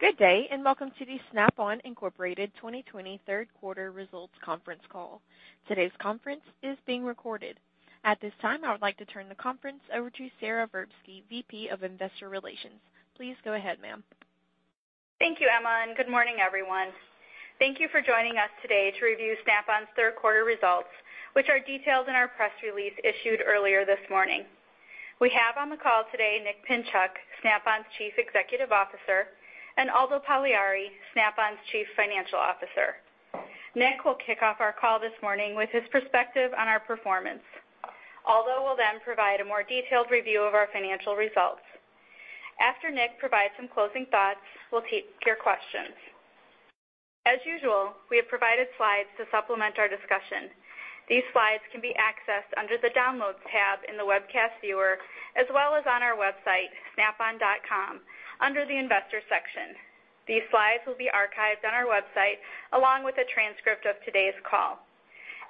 Good day and welcome to the Snap-on Incorporated 2020 Third Quarter Results Conference Call. Today's conference is being recorded. At this time, I would like to turn the conference over to Sara Verbsky, VP of Investor Relations. Please go ahead, ma'am. Thank you, Emma, and good morning, everyone. Thank you for joining us today to review Snap-on's third quarter results, which are detailed in our press release issued earlier this morning. We have on the call today Nick Pinchuk, Snap-on's Chief Executive Officer, and Aldo Pagliari, Snap-on's Chief Financial Officer. Nick will kick off our call this morning with his perspective on our performance. Aldo will then provide a more detailed review of our financial results. After Nick provides some closing thoughts, we'll take your questions. As usual, we have provided slides to supplement our discussion. These slides can be accessed under the Downloads tab in the webcast viewer, as well as on our website, snap-on.com, under the Investor section. These slides will be archived on our website along with a transcript of today's call.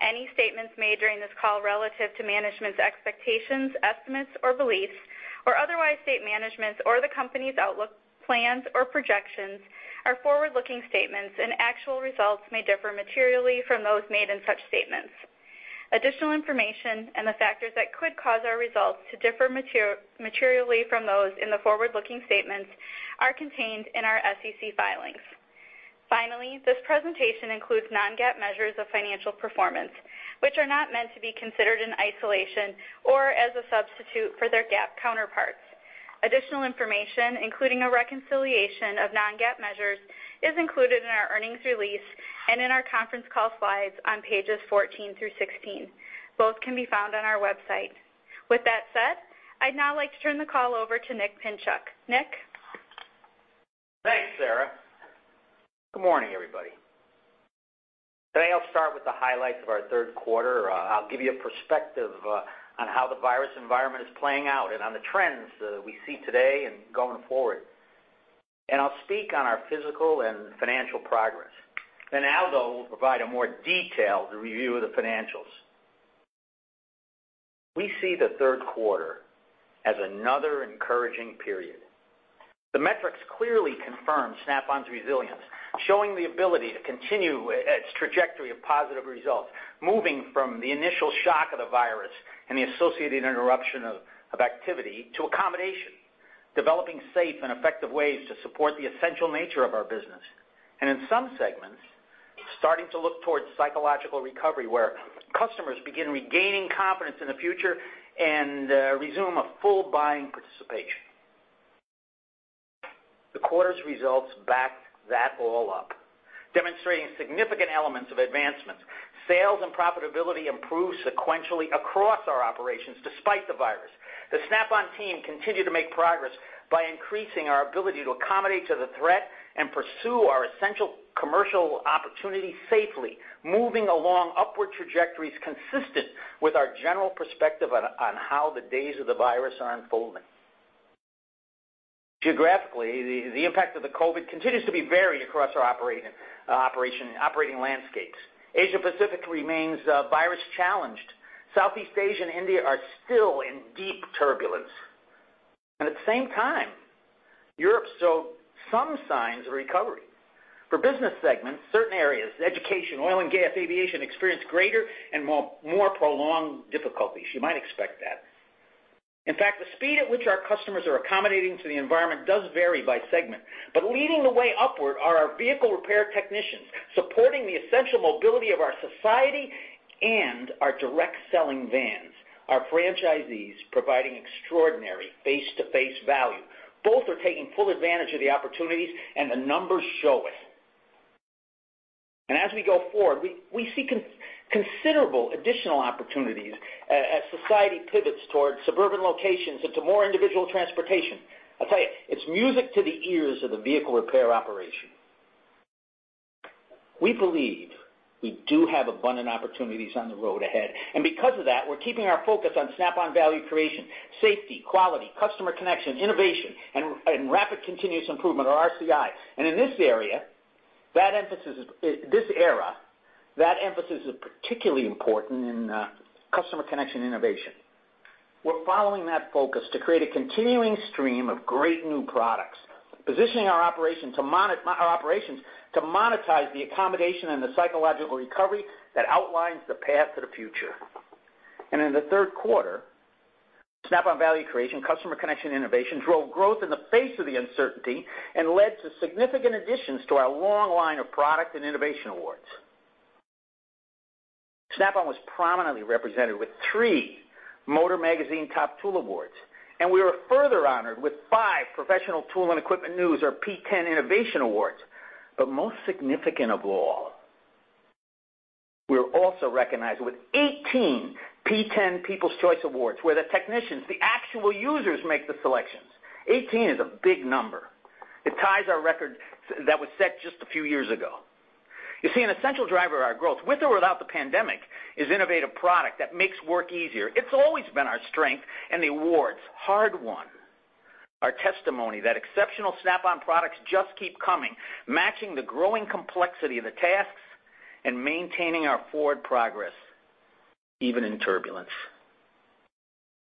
Any statements made during this call relative to management's expectations, estimates, or beliefs, or otherwise state management's or the company's outlook, plans, or projections are forward-looking statements, and actual results may differ materially from those made in such statements. Additional information and the factors that could cause our results to differ materially from those in the forward-looking statements are contained in our SEC filings. Finally, this presentation includes non-GAAP measures of financial performance, which are not meant to be considered in isolation or as a substitute for their GAAP counterparts. Additional information, including a reconciliation of non-GAAP measures, is included in our earnings release and in our conference call slides on pages 14 through 16. Both can be found on our website. With that said, I'd now like to turn the call over to Nick Pinchuk. Nick? Thanks, Sarah. Good morning, everybody. Today, I'll start with the highlights of our third quarter. I'll give you a perspective on how the virus environment is playing out and on the trends that we see today and going forward. I'll speak on our physical and financial progress. Aldo will provide a more detailed review of the financials. We see the third quarter as another encouraging period. The metrics clearly confirm Snap-on's resilience, showing the ability to continue its trajectory of positive results, moving from the initial shock of the virus and the associated interruption of activity to accommodation, developing safe and effective ways to support the essential nature of our business. In some segments, starting to look towards psychological recovery where customers begin regaining confidence in the future and resume full buying participation. The quarter's results back that all up, demonstrating significant elements of advancement. Sales and profitability improved sequentially across our operations despite the virus. The Snap-on team continued to make progress by increasing our ability to accommodate to the threat and pursue our essential commercial opportunities safely, moving along upward trajectories consistent with our general perspective on how the days of the virus are unfolding. Geographically, the impact of the COVID-19 continues to be varied across our operating landscapes. Asia-Pacific remains virus challenged. Southeast Asia and India are still in deep turbulence. At the same time, Europe shows some signs of recovery. For business segments, certain areas—education, oil and gas, aviation—experience greater and more prolonged difficulties. You might expect that. In fact, the speed at which our customers are accommodating to the environment does vary by segment. Leading the way upward are our vehicle repair technicians supporting the essential mobility of our society and our direct selling vans. Our franchisees provide extraordinary face-to-face value. Both are taking full advantage of the opportunities, and the numbers show it. As we go forward, we see considerable additional opportunities as society pivots towards suburban locations and to more individual transportation. I'll tell you, it's music to the ears of the vehicle repair operation. We believe we do have abundant opportunities on the road ahead. Because of that, we're keeping our focus on Snap-on value creation: safety, quality, customer connection, innovation, and rapid continuous improvement, or RCI. In this area, this era, that emphasis is particularly important in customer connection innovation. We're following that focus to create a continuing stream of great new products, positioning our operations to monetize the accommodation and the psychological recovery that outlines the path to the future. In the third quarter, Snap-on value creation, customer connection, innovation drove growth in the face of the uncertainty and led to significant additions to our long line of product and innovation awards. Snap-on was prominently represented with three MOTOR Magazine Top Tool Awards, and we were further honored with five Professional Tool and Equipment News, or PTEN, Innovation Awards. Most significant of all, we were also recognized with 18 PTEN People's Choice Awards where the technicians, the actual users, make the selections. 18 is a big number. It ties our record that was set just a few years ago. You see, an essential driver of our growth, with or without the pandemic, is innovative product that makes work easier. It's always been our strength, and the awards, hard won. Our testimony that exceptional Snap-on products just keep coming, matching the growing complexity of the tasks and maintaining our forward progress even in turbulence.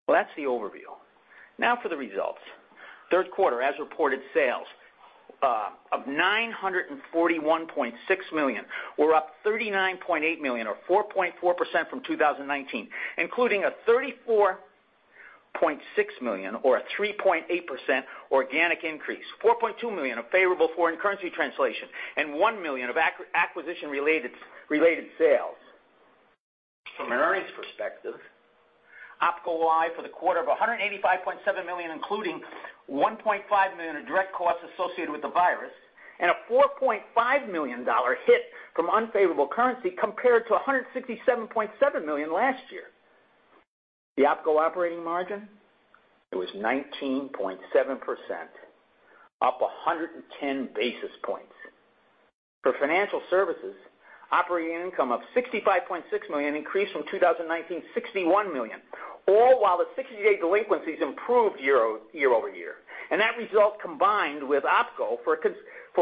That is the overview. Now for the results. Third quarter, as reported, sales of $941.6 million were up $39.8 million, or 4.4% from 2019, including a $34.6 million, or a 3.8% organic increase, $4.2 million of favorable foreign currency translation, and $1 million of acquisition-related sales. From an earnings perspective, Opco operating income for the quarter of $185.7 million, including $1.5 million of direct costs associated with the virus, and a $4.5 million hit from unfavorable currency compared to $167.7 million last year. The Opco operating margin, it was 19.7%, up 110 basis points. For financial services, operating income of $65.6 million increased from 2019's $61 million, all while the 60-day delinquencies improved year over year. That result combined with Opco for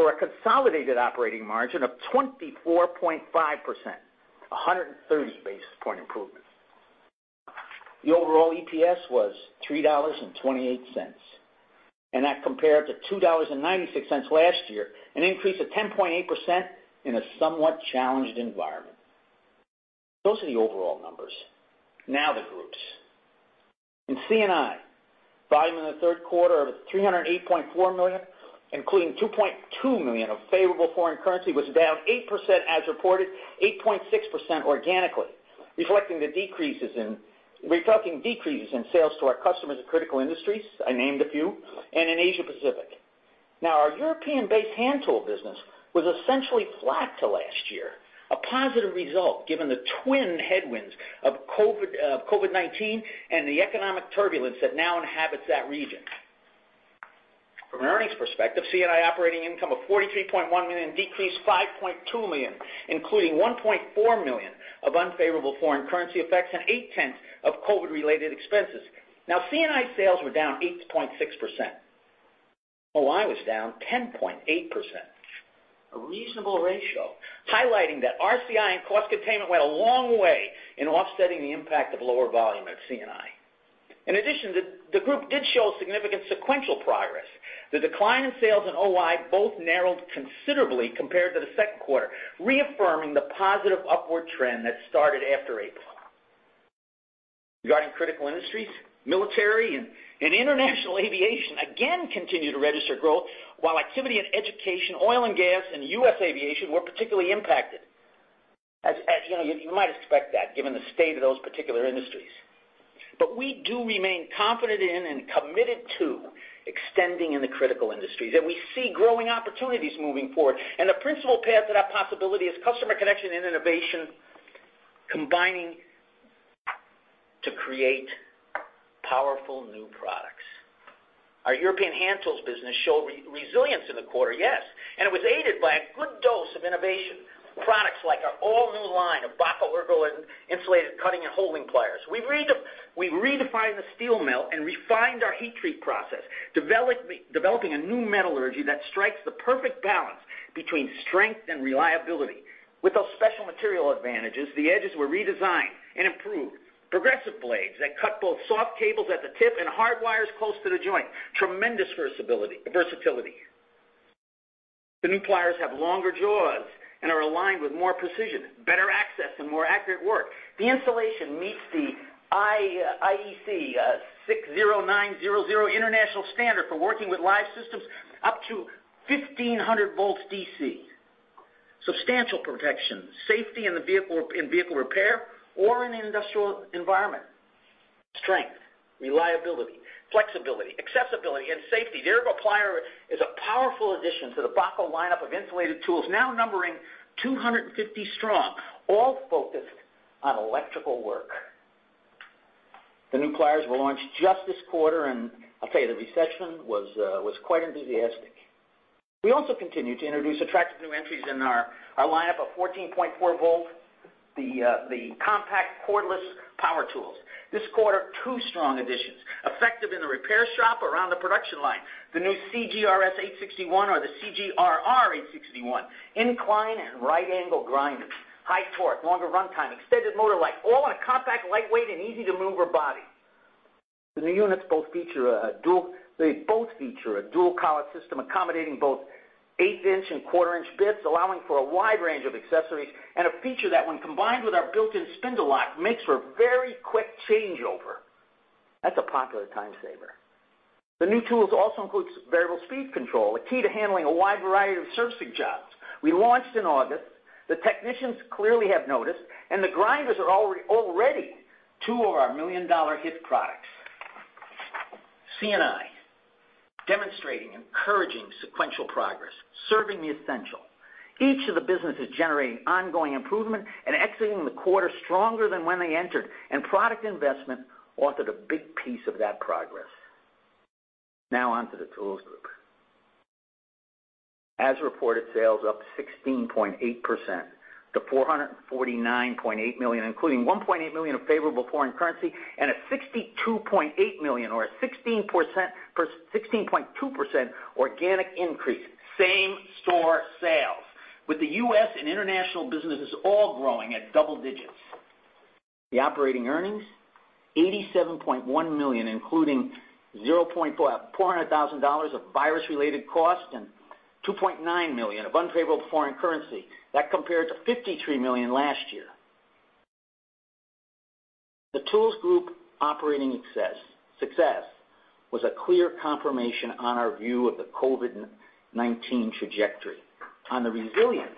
a consolidated operating margin of 24.5%, 130 basis point improvement. The overall EPS was $3.28, and that compared to $2.96 last year, an increase of 10.8% in a somewhat challenged environment. Those are the overall numbers. Now the groups. In CNI, volume in the third quarter of $308.4 million, including $2.2 million of favorable foreign currency, was down 8% as reported, 8.6% organically, reflecting the decreases in—we're talking decreases in sales to our customers in critical industries, I named a few, and in Asia-Pacific. Now, our European-based hand tool business was essentially flat to last year, a positive result given the twin headwinds of COVID-19 and the economic turbulence that now inhabits that region. From an earnings perspective, CNI operating income of $43.1 million decreased $5.2 million, including $1.4 million of unfavorable foreign currency effects and eight-tenths of COVID-related expenses. Now, CNI sales were down 8.6%. OI was down 10.8%, a reasonable ratio, highlighting that RCI and cost containment went a long way in offsetting the impact of lower volume at CNI. In addition, the group did show significant sequential progress. The decline in sales and OI both narrowed considerably compared to the second quarter, reaffirming the positive upward trend that started after April. Regarding critical industries, military and international aviation again continued to register growth, while activity in education, oil and gas, and U.S. aviation were particularly impacted. You might expect that given the state of those particular industries. We do remain confident in and committed to extending in the critical industries. We see growing opportunities moving forward. The principal path to that possibility is customer connection and innovation combining to create powerful new products. Our European hand tools business showed resilience in the quarter, yes. It was aided by a good dose of innovation, products like our all-new line of Bahco's ERGO insulated cutting and holding pliers. We redefined the steel mill and refined our heat treat process, developing a new metallurgy that strikes the perfect balance between strength and reliability. With those special material advantages, the edges were redesigned and improved. Progressive blades that cut both soft cables at the tip and hard wires close to the joint, tremendous versatility. The new pliers have longer jaws and are aligned with more precision, better access, and more accurate work. The insulation meets the IEC-60900 international standard for working with live systems up to 1500 volts DC. Substantial protection, safety in vehicle repair or in an industrial environment. Strength, reliability, flexibility, accessibility, and safety. Derek O'Plier is a powerful addition to the Bahco lineup of insulated tools, now numbering 250 strong, all focused on electrical work. The new pliers were launched just this quarter, and I'll tell you, the reception was quite enthusiastic. We also continue to introduce attractive new entries in our lineup of 14.4 volt, the compact cordless power tools. This quarter, two strong additions, effective in the repair shop or on the production line. The new CGRS 861 or the CGRR 861, incline and right angle grinders, high torque, longer runtime, extended motor life, all in a compact, lightweight, and easy-to-move body. The new units both feature a dual—they both feature a dual collet system accommodating both eighth-inch and quarter-inch bits, allowing for a wide range of accessories and a feature that, when combined with our built-in spindle lock, makes for a very quick changeover. That's a popular time saver. The new tools also include variable speed control, a key to handling a wide variety of servicing jobs. We launched in August. The technicians clearly have noticed, and the grinders are already two of our million-dollar hit products. CNI, demonstrating encouraging sequential progress, serving the essential. Each of the businesses generating ongoing improvement and exiting the quarter stronger than when they entered, and product investment offered a big piece of that progress. Now on to the tools group. As reported, sales up 16.8% to $449.8 million, including $1.8 million of favorable foreign currency and a $62.8 million, or a 16.2% organic increase, same store sales, with the U.S. and international businesses all growing at double digits. The operating earnings, $87.1 million, including $400,000 of virus-related costs and $2.9 million of unfavorable foreign currency. That compared to $53 million last year. The Tools Group operating success was a clear confirmation on our view of the COVID-19 trajectory, on the resilience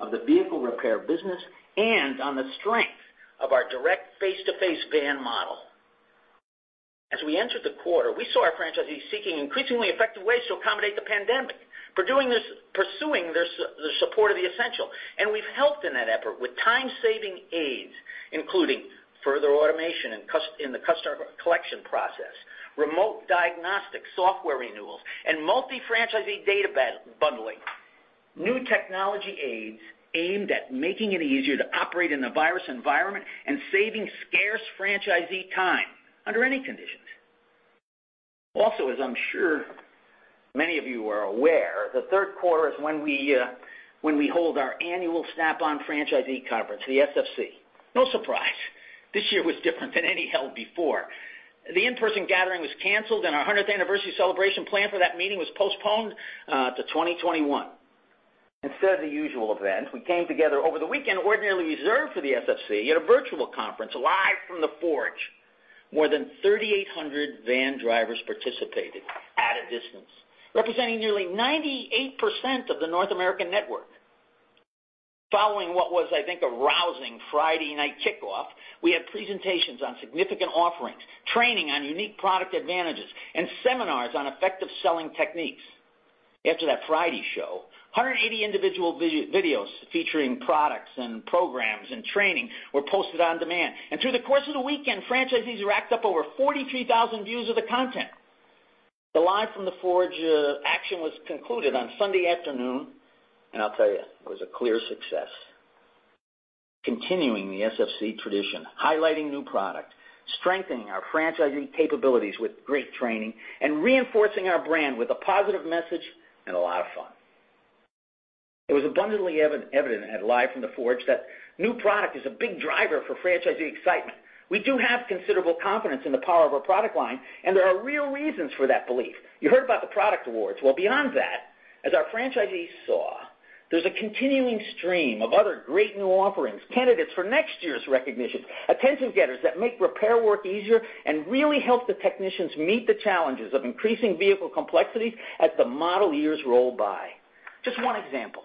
of the vehicle repair business, and on the strength of our direct face-to-face van model. As we entered the quarter, we saw our franchisees seeking increasingly effective ways to accommodate the pandemic, pursuing the support of the essential. We have helped in that effort with time-saving aids, including further automation in the customer collection process, remote diagnostic software renewals, and multi-franchisee data bundling. New technology aids aimed at making it easier to operate in the virus environment and saving scarce franchisee time under any conditions. Also, as I am sure many of you are aware, the third quarter is when we hold our annual Snap-on Franchisee Conference, the SFC. No surprise. This year was different than any held before. The in-person gathering was canceled, and our 100th anniversary celebration planned for that meeting was postponed to 2021. Instead of the usual event, we came together over the weekend, ordinarily reserved for the SFC, at a virtual conference live from the Forge. More than 3,800 van drivers participated at a distance, representing nearly 98% of the North American network. Following what was, I think, a rousing Friday night kickoff, we had presentations on significant offerings, training on unique product advantages, and seminars on effective selling techniques. After that Friday show, 180 individual videos featuring products and programs and training were posted on demand. Through the course of the weekend, franchisees racked up over 43,000 views of the content. The live from the Forge action was concluded on Sunday afternoon, and I'll tell you, it was a clear success. Continuing the SFC tradition, highlighting new product, strengthening our franchisee capabilities with great training, and reinforcing our brand with a positive message and a lot of fun. It was abundantly evident at live from the Forge that new product is a big driver for franchisee excitement. We do have considerable confidence in the power of our product line, and there are real reasons for that belief. You heard about the product awards. Beyond that, as our franchisees saw, there is a continuing stream of other great new offerings, candidates for next year's recognition, attention getters that make repair work easier and really help the technicians meet the challenges of increasing vehicle complexities as the model years roll by. Just one example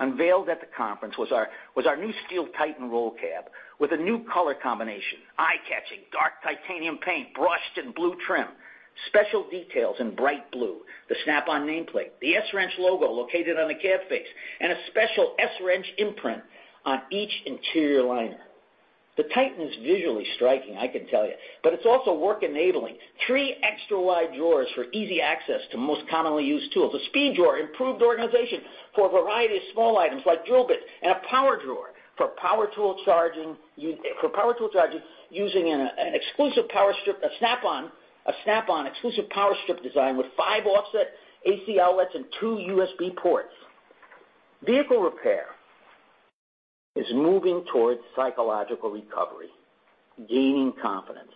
unveiled at the conference was our new Steel Titan roll cab with a new color combination, eye-catching dark titanium paint, brushed and blue trim, special details in bright blue, the Snap-on nameplate, the S wrench logo located on the cab face, and a special S wrench imprint on each interior liner. The Titan is visually striking, I can tell you, but it's also work enabling, three extra wide drawers for easy access to most commonly used tools, a speed drawer, improved organization for a variety of small items like drill bits, and a power drawer for power tool charging using an exclusive power strip, a Snap-on exclusive power strip design with five offset AC outlets and two USB ports. Vehicle repair is moving towards psychological recovery, gaining confidence,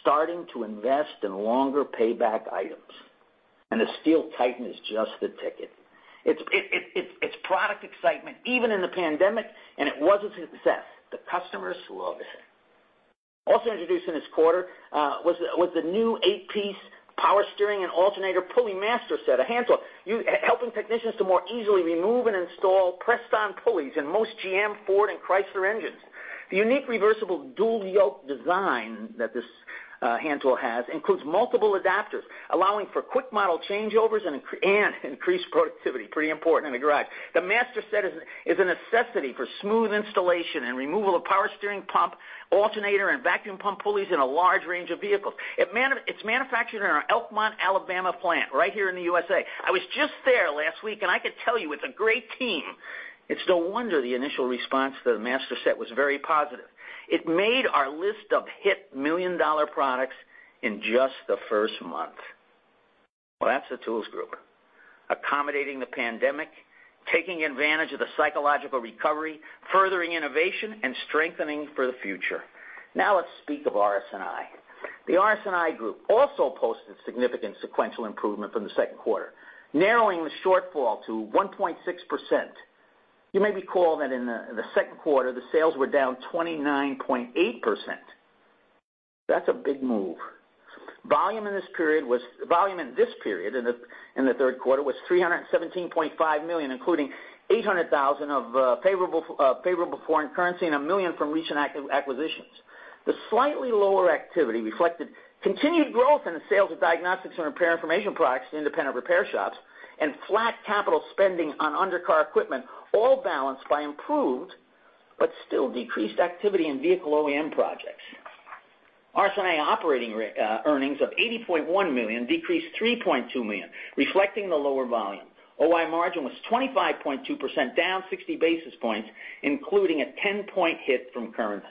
starting to invest in longer payback items. The Steel Titan is just the ticket. It's product excitement even in the pandemic, and it was a success. The customers love it. Also introduced in this quarter was the new eight-piece power steering and alternator pulley master set, a hand tool helping technicians to more easily remove and install pressed-on pulleys in most G.M., Ford, and Chrysler engines. The unique reversible dual yoke design that this hand tool has includes multiple adapters, allowing for quick model changeovers and increased productivity, pretty important in the garage. The master set is a necessity for smooth installation and removal of power steering pump, alternator, and vacuum pump pulleys in a large range of vehicles. It's manufactured in our Elkmont, Alabama plant, right here in the USA. I was just there last week, and I can tell you, it's a great team. It's no wonder the initial response to the master set was very positive. It made our list of hit million-dollar products in just the first month. That is the tools group. Accommodating the pandemic, taking advantage of the psychological recovery, furthering innovation, and strengthening for the future. Now let's speak of RS&I. The RS&I group also posted significant sequential improvement from the second quarter, narrowing the shortfall to 1.6%. You may recall that in the second quarter, the sales were down 29.8%. That is a big move. Volume in this period in the third quarter was $317.5 million, including $800,000 of favorable foreign currency and $1 million from recent acquisitions. The slightly lower activity reflected continued growth in the sales of diagnostics and repair information products to independent repair shops and flat capital spending on undercar equipment, all balanced by improved but still decreased activity in vehicle OEM projects. RS&I operating earnings of $80.1 million decreased $3.2 million, reflecting the lower volume. OI margin was 25.2%, down 60 basis points, including a 10-point hit from currency.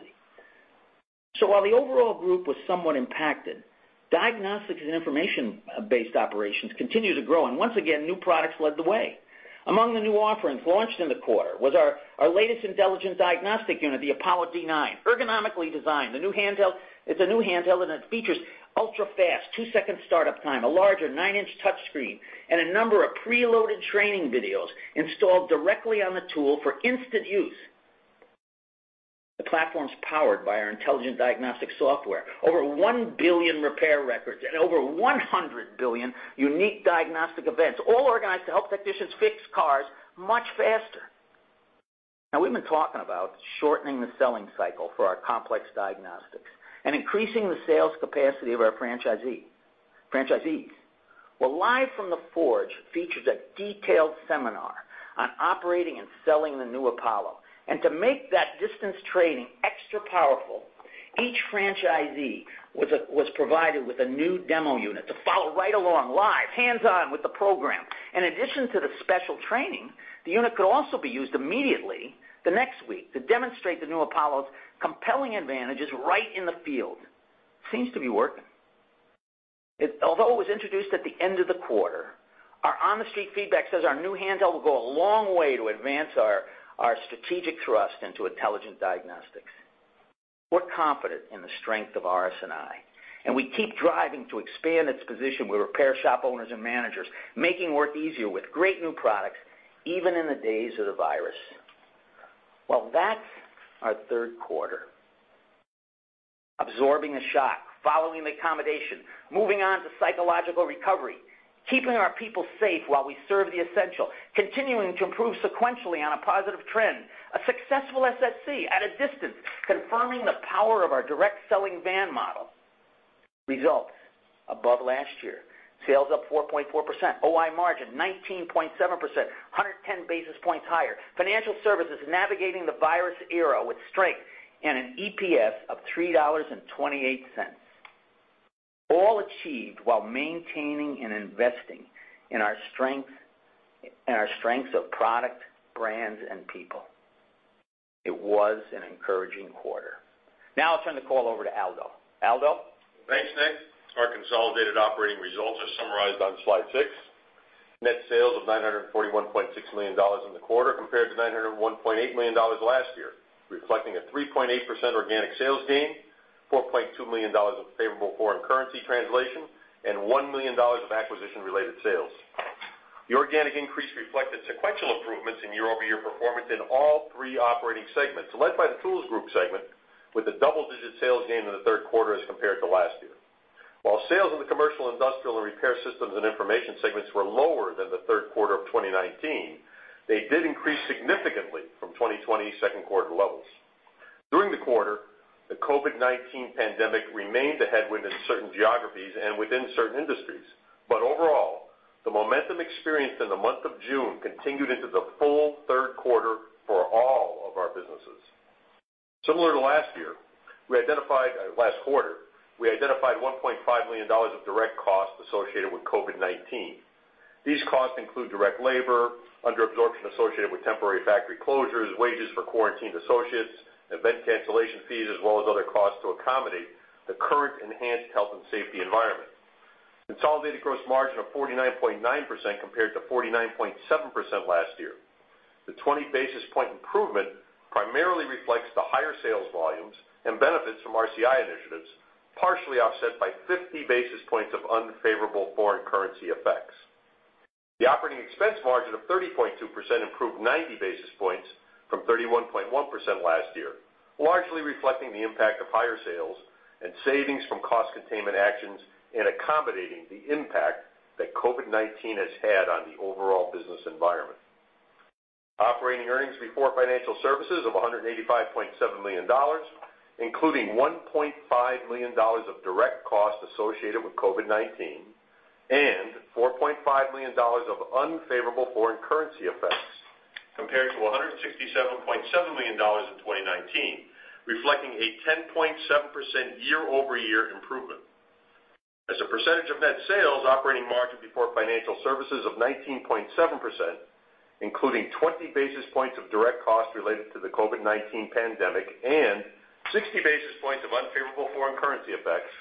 While the overall group was somewhat impacted, diagnostics and information-based operations continued to grow, and once again, new products led the way. Among the new offerings launched in the quarter was our latest intelligent diagnostic unit, the APOLLO-D9, ergonomically designed. It is a new handheld, and it features ultra-fast two-second startup time, a larger nine-inch touchscreen, and a number of preloaded training videos installed directly on the tool for instant use. The platform is powered by our intelligent diagnostic software, over 1 billion repair records, and over 100 billion unique diagnostic events, all organized to help technicians fix cars much faster. Now we have been talking about shortening the selling cycle for our complex diagnostics and increasing the sales capacity of our franchisees. Live from the Forge features a detailed seminar on operating and selling the new Apollo. To make that distance training extra powerful, each franchisee was provided with a new demo unit to follow right along, live, hands-on with the program. In addition to the special training, the unit could also be used immediately the next week to demonstrate the new Apollo's compelling advantages right in the field. Seems to be working. Although it was introduced at the end of the quarter, our on-the-street feedback says our new handheld will go a long way to advance our strategic thrust into intelligent diagnostics. We are confident in the strength of RS&I, and we keep driving to expand its position with repair shop owners and managers, making work easier with great new products even in the days of the virus. That is our third quarter. Absorbing a shock, following the accommodation, moving on to psychological recovery, keeping our people safe while we serve the essential, continuing to improve sequentially on a positive trend, a successful SFC at a distance, confirming the power of our direct selling van model. Results above last year. Sales up 4.4%. OI margin 19.7%, 110 basis points higher. Financial services navigating the virus era with strength and an EPS of $3.28. All achieved while maintaining and investing in our strengths of product, brands, and people. It was an encouraging quarter. Now I'll turn the call over to Aldo. Aldo? Thanks, Nick. Our consolidated operating results are summarized on slide six. Net sales of $941.6 million in the quarter compared to $901.8 million last year, reflecting a 3.8% organic sales gain, $4.2 million of favorable foreign currency translation, and $1 million of acquisition-related sales. The organic increase reflected sequential improvements in year-over-year performance in all three operating segments, led by the Tools Group segment with a double-digit sales gain in the third quarter as compared to last year. While sales in the Commercial, Industrial, and Repair Systems and Information segments were lower than the third quarter of 2019, they did increase significantly from 2020 second quarter levels. During the quarter, the COVID-19 pandemic remained a headwind in certain geographies and within certain industries, but overall, the momentum experienced in the month of June continued into the full third quarter for all of our businesses. Similar to last year, we identified last quarter, we identified $1.5 million of direct costs associated with COVID-19. These costs include direct labor, underabsorption associated with temporary factory closures, wages for quarantined associates, event cancellation fees, as well as other costs to accommodate the current enhanced health and safety environment. Consolidated gross margin of 49.9% compared to 49.7% last year. The 20 basis point improvement primarily reflects the higher sales volumes and benefits from RCI initiatives, partially offset by 50 basis points of unfavorable foreign currency effects. The operating expense margin of 30.2% improved 90 basis points from 31.1% last year, largely reflecting the impact of higher sales and savings from cost containment actions in accommodating the impact that COVID-19 has had on the overall business environment. Operating earnings before financial services of $185.7 million, including $1.5 million of direct costs associated with COVID-19 and $4.5 million of unfavorable foreign currency effects, compared to $167.7 million in 2019, reflecting a 10.7% year-over-year improvement. As a percentage of net sales, operating margin before financial services of 19.7%, including 20 basis points of direct costs related to the COVID-19 pandemic and 60 basis points of unfavorable foreign currency effects,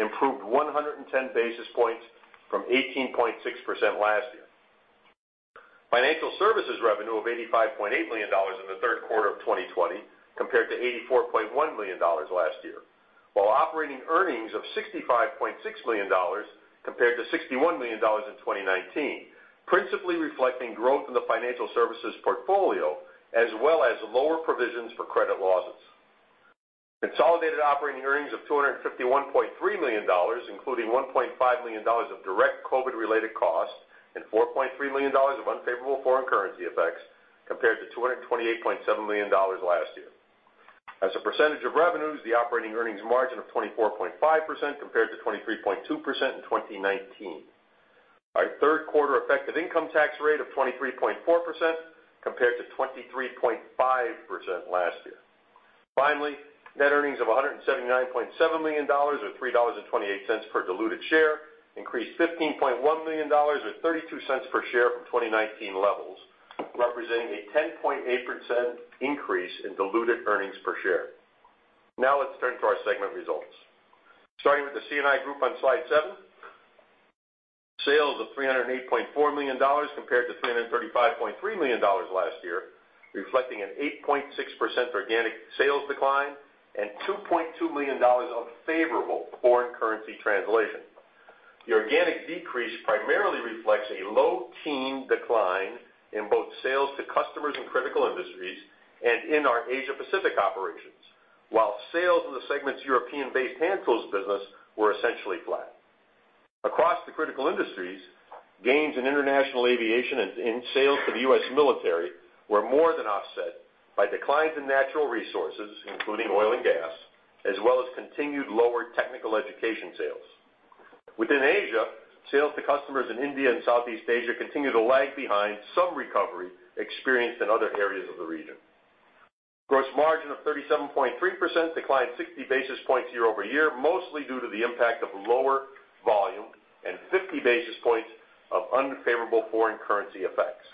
improved 110 basis points from 18.6% last year. Financial services revenue of $85.8 million in the third quarter of 2020 compared to $84.1 million last year, while operating earnings of $65.6 million compared to $61 million in 2019, principally reflecting growth in the financial services portfolio as well as lower provisions for credit losses. Consolidated operating earnings of $251.3 million, including $1.5 million of direct COVID-related costs and $4.3 million of unfavorable foreign currency effects, compared to $228.7 million last year. As a percentage of revenues, the operating earnings margin of 24.5% compared to 23.2% in 2019. Our third quarter effective income tax rate of 23.4% compared to 23.5% last year. Finally, net earnings of $179.7 million or $3.28 per diluted share increased $15.1 million or $0.32 per share from 2019 levels, representing a 10.8% increase in diluted earnings per share. Now let's turn to our segment results. Starting with the C&I group on slide seven, sales of $308.4 million compared to $335.3 million last year, reflecting an 8.6% organic sales decline and $2.2 million of favorable foreign currency translation. The organic decrease primarily reflects a low-teen decline in both sales to customers and critical industries and in our Asia-Pacific operations, while sales in the segment's European-based hand tools business were essentially flat. Across the critical industries, gains in international aviation and in sales to the US military were more than offset by declines in natural resources, including oil and gas, as well as continued lower technical education sales. Within Asia, sales to customers in India and Southeast Asia continue to lag behind some recovery experienced in other areas of the region. Gross margin of 37.3% declined 60 basis points year-over-year, mostly due to the impact of lower volume and 50 basis points of unfavorable foreign currency effects.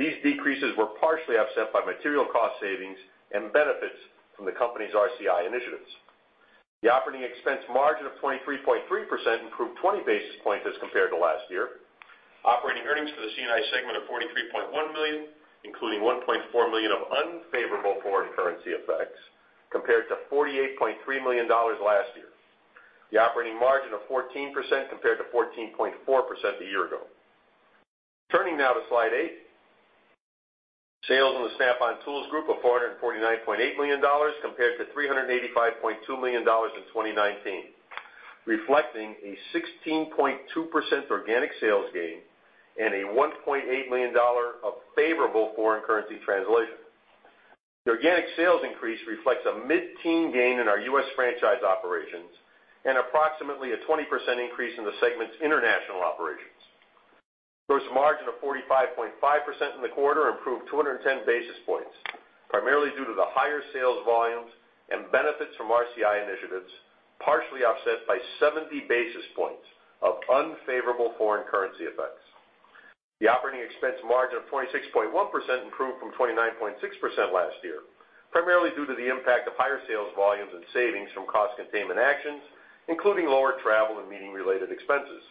These decreases were partially offset by material cost savings and benefits from the company's RCI initiatives. The operating expense margin of 23.3% improved 20 basis points as compared to last year. Operating earnings for the C&I segment of $43.1 million, including $1.4 million of unfavorable foreign currency effects, compared to $48.3 million last year. The operating margin of 14% compared to 14.4% a year ago. Turning now to slide eight, sales in the Snap-on Tools group of $449.8 million compared to $385.2 million in 2019, reflecting a 16.2% organic sales gain and $1.8 million of favorable foreign currency translation. The organic sales increase reflects a mid-teens gain in our U.S. franchise operations and approximately a 20% increase in the segment's international operations. Gross margin of 45.5% in the quarter improved 210 basis points, primarily due to the higher sales volumes and benefits from RCI initiatives, partially offset by 70 basis points of unfavorable foreign currency effects. The operating expense margin of 26.1% improved from 29.6% last year, primarily due to the impact of higher sales volumes and savings from cost containment actions, including lower travel and meeting-related expenses.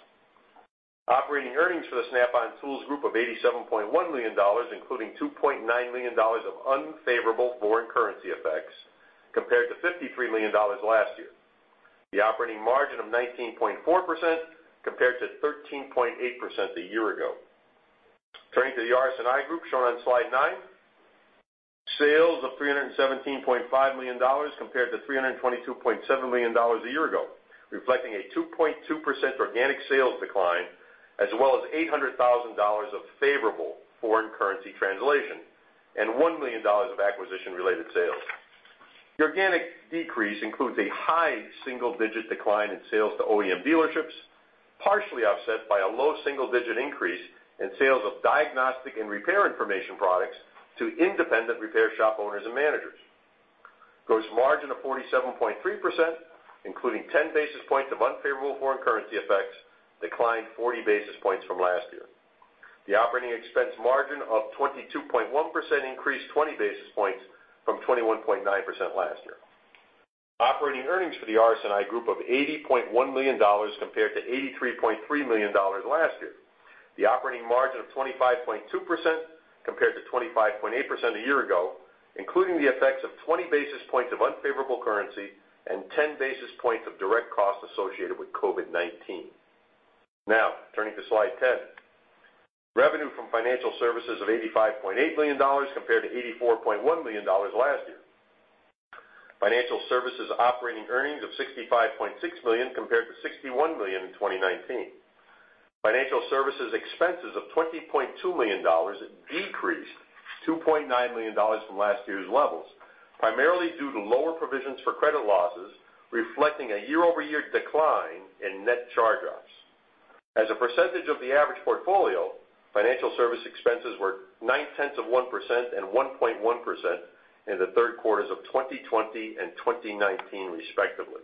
Operating earnings for the Snap-on Tools group of $87.1 million, including $2.9 million of unfavorable foreign currency effects, compared to $53 million last year. The operating margin of 19.4% compared to 13.8% a year ago. Turning to the RS&I group shown on slide nine, sales of $317.5 million compared to $322.7 million a year ago, reflecting a 2.2% organic sales decline, as well as $800,000 of favorable foreign currency translation and $1 million of acquisition-related sales. The organic decrease includes a high single-digit decline in sales to OEM dealerships, partially offset by a low single-digit increase in sales of diagnostic and repair information products to independent repair shop owners and managers. Gross margin of 47.3%, including 10 basis points of unfavorable foreign currency effects, declined 40 basis points from last year. The operating expense margin of 22.1% increased 20 basis points from 21.9% last year. Operating earnings for the RS&I group of $80.1 million compared to $83.3 million last year. The operating margin of 25.2% compared to 25.8% a year ago, including the effects of 20 basis points of unfavorable currency and 10 basis points of direct costs associated with COVID-19. Now, turning to slide 10, revenue from financial services of $85.8 million compared to $84.1 million last year. Financial services operating earnings of $65.6 million compared to $61 million in 2019. Financial services expenses of $20.2 million decreased $2.9 million from last year's levels, primarily due to lower provisions for credit losses, reflecting a year-over-year decline in net charge-offs. As a percentage of the average portfolio, financial service expenses were 0.9% and 1.1% in the third quarters of 2020 and 2019, respectively.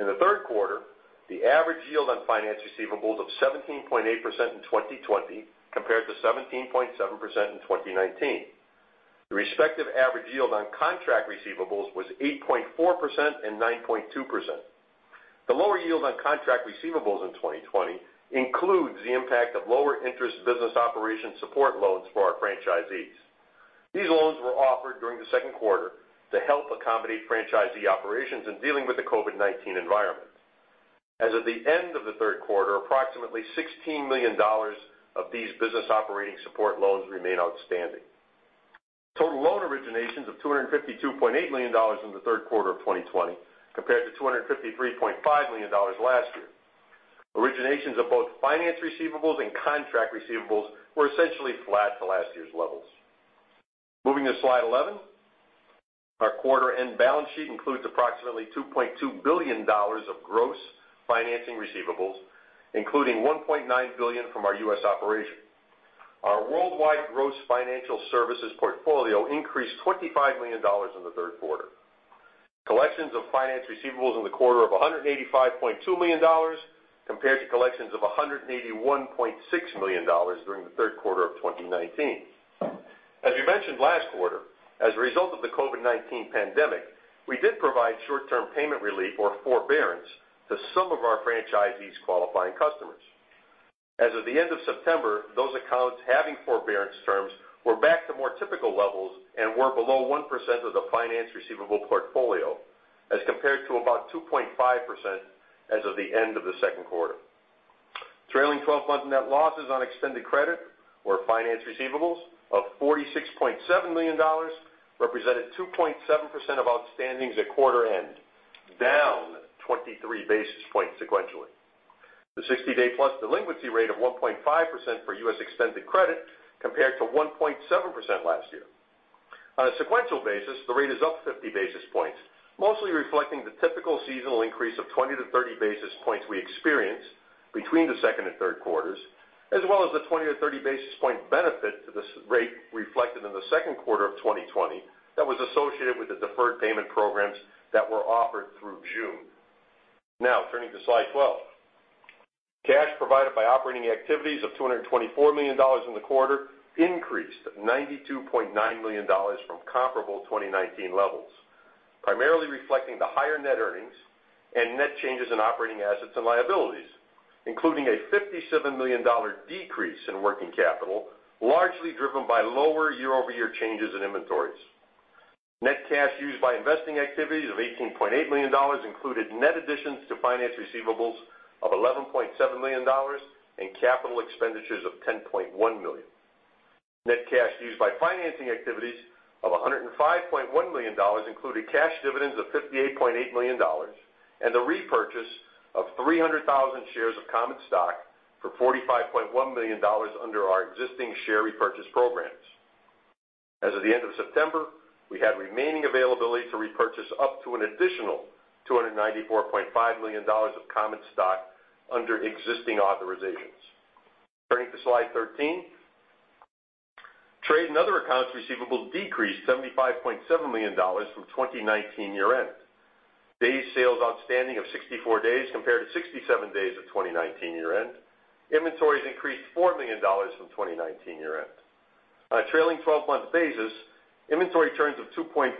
In the third quarter, the average yield on finance receivables of 17.8% in 2020 compared to 17.7% in 2019. The respective average yield on contract receivables was 8.4% and 9.2%. The lower yield on contract receivables in 2020 includes the impact of lower interest business operation support loans for our franchisees. These loans were offered during the second quarter to help accommodate franchisee operations in dealing with the COVID-19 environment. As of the end of the third quarter, approximately $16 million of these business operating support loans remain outstanding. Total loan originations of $252.8 million in the third quarter of 2020 compared to $253.5 million last year. Originations of both finance receivables and contract receivables were essentially flat to last year's levels. Moving to slide 11, our quarter-end balance sheet includes approximately $2.2 billion of gross financing receivables, including $1.9 billion from our US operation. Our worldwide gross financial services portfolio increased $25 million in the third quarter. Collections of finance receivables in the quarter of $185.2 million compared to collections of $181.6 million during the third quarter of 2019. As we mentioned last quarter, as a result of the COVID-19 pandemic, we did provide short-term payment relief or forbearance to some of our franchisees' qualifying customers. As of the end of September, those accounts having forbearance terms were back to more typical levels and were below 1% of the finance receivable portfolio, as compared to about 2.5% as of the end of the second quarter. Trailing 12-month net losses on extended credit or finance receivables of $46.7 million represented 2.7% of outstandings at quarter-end, down 23 basis points sequentially. The 60-day plus delinquency rate of 1.5% for U.S. extended credit compared to 1.7% last year. On a sequential basis, the rate is up 50 basis points, mostly reflecting the typical seasonal increase of 20-30 basis points we experienced between the second and third quarters, as well as the 20-30 basis point benefit to this rate reflected in the second quarter of 2020 that was associated with the deferred payment programs that were offered through June. Now, turning to slide 12, cash provided by operating activities of $224 million in the quarter increased $92.9 million from comparable 2019 levels, primarily reflecting the higher net earnings and net changes in operating assets and liabilities, including a $57 million decrease in working capital, largely driven by lower year-over-year changes in inventories. Net cash used by investing activities of $18.8 million included net additions to finance receivables of $11.7 million and capital expenditures of $10.1 million. Net cash used by financing activities of $105.1 million included cash dividends of $58.8 million and the repurchase of 300,000 shares of common stock for $45.1 million under our existing share repurchase programs. As of the end of September, we had remaining availability to repurchase up to an additional $294.5 million of common stock under existing authorizations. Turning to slide 13, trade and other accounts receivable decreased $75.7 million from 2019 year-end. Day sales outstanding of 64 days compared to 67 days at 2019 year-end. Inventories increased $4 million from 2019 year-end. On a trailing 12-month basis, inventory turns of 2.4,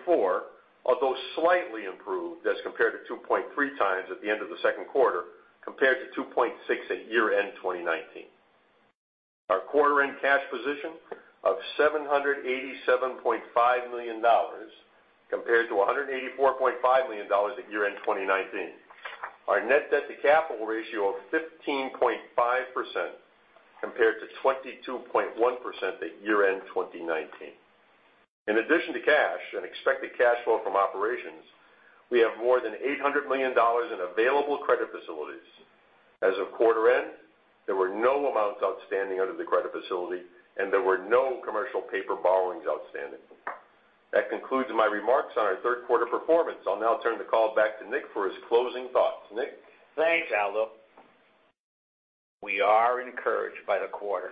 although slightly improved as compared to 2.3 times at the end of the second quarter compared to 2.6 at year-end 2019. Our quarter-end cash position of $787.5 million compared to $184.5 million at year-end 2019. Our net debt to capital ratio of 15.5% compared to 22.1% at year-end 2019. In addition to cash and expected cash flow from operations, we have more than $800 million in available credit facilities. As of quarter-end, there were no amounts outstanding under the credit facility, and there were no commercial paper borrowings outstanding. That concludes my remarks on our third quarter performance. I'll now turn the call back to Nick for his closing thoughts. Nick. Thanks, Aldo. We are encouraged by the quarter.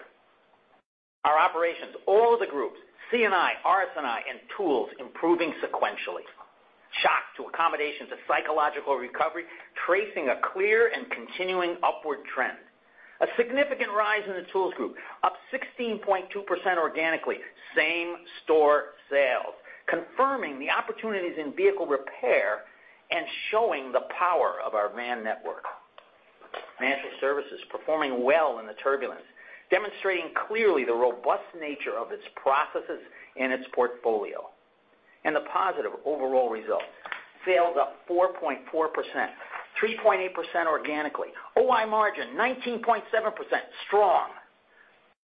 Our operations, all of the groups, C&I, RS&I, and tools improving sequentially. Shock to accommodations of psychological recovery, tracing a clear and continuing upward trend. A significant rise in the tools group, up 16.2% organically, same store sales, confirming the opportunities in vehicle repair and showing the power of our van network. Financial services performing well in the turbulence, demonstrating clearly the robust nature of its processes and its portfolio. The positive overall results. Sales up 4.4%, 3.8% organically. OI margin 19.7%, strong,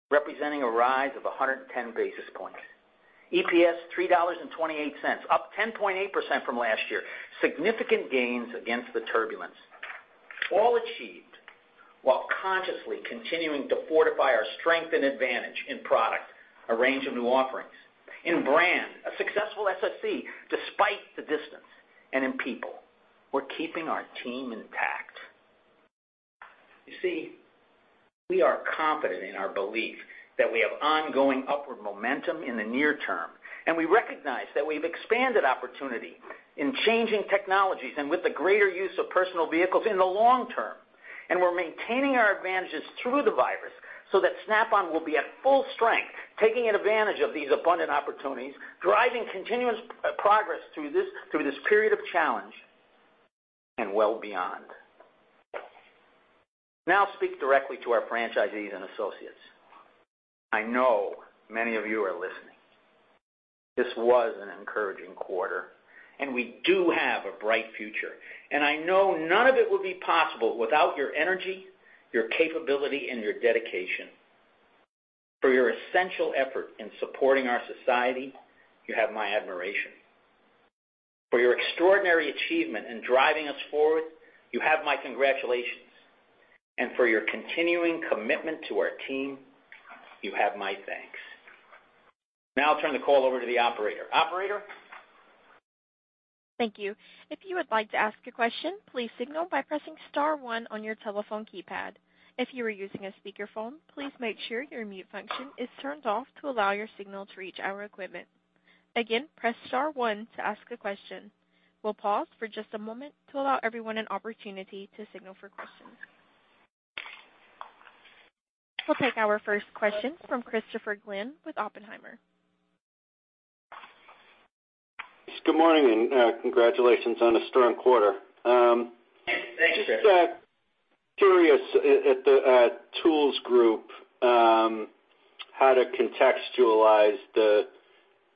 representing a rise of 110 basis points. EPS $3.28, up 10.8% from last year. Significant gains against the turbulence. All achieved while consciously continuing to fortify our strength and advantage in product, a range of new offerings. In brand, a successful SFC despite the distance. In people, we're keeping our team intact. You see, we are confident in our belief that we have ongoing upward momentum in the near term, and we recognize that we've expanded opportunity in changing technologies and with the greater use of personal vehicles in the long term. We're maintaining our advantages through the virus so that Snap-on will be at full strength, taking advantage of these abundant opportunities, driving continuous progress through this period of challenge and well beyond. Now, I speak directly to our franchisees and associates. I know many of you are listening. This was an encouraging quarter, and we do have a bright future. I know none of it would be possible without your energy, your capability, and your dedication. For your essential effort in supporting our society, you have my admiration. For your extraordinary achievement in driving us forward, you have my congratulations. For your continuing commitment to our team, you have my thanks. Now, I'll turn the call over to the operator. Operator. Thank you. If you would like to ask a question, please signal by pressing star one on your telephone keypad. If you are using a speakerphone, please make sure your mute function is turned off to allow your signal to reach our equipment. Again, press star one to ask a question. We'll pause for just a moment to allow everyone an opportunity to signal for questions. We'll take our first question from Christopher Glynn with Oppenheimer. Good morning and congratulations on a strong quarter. Thank you. Just curious at the tools group how to contextualize the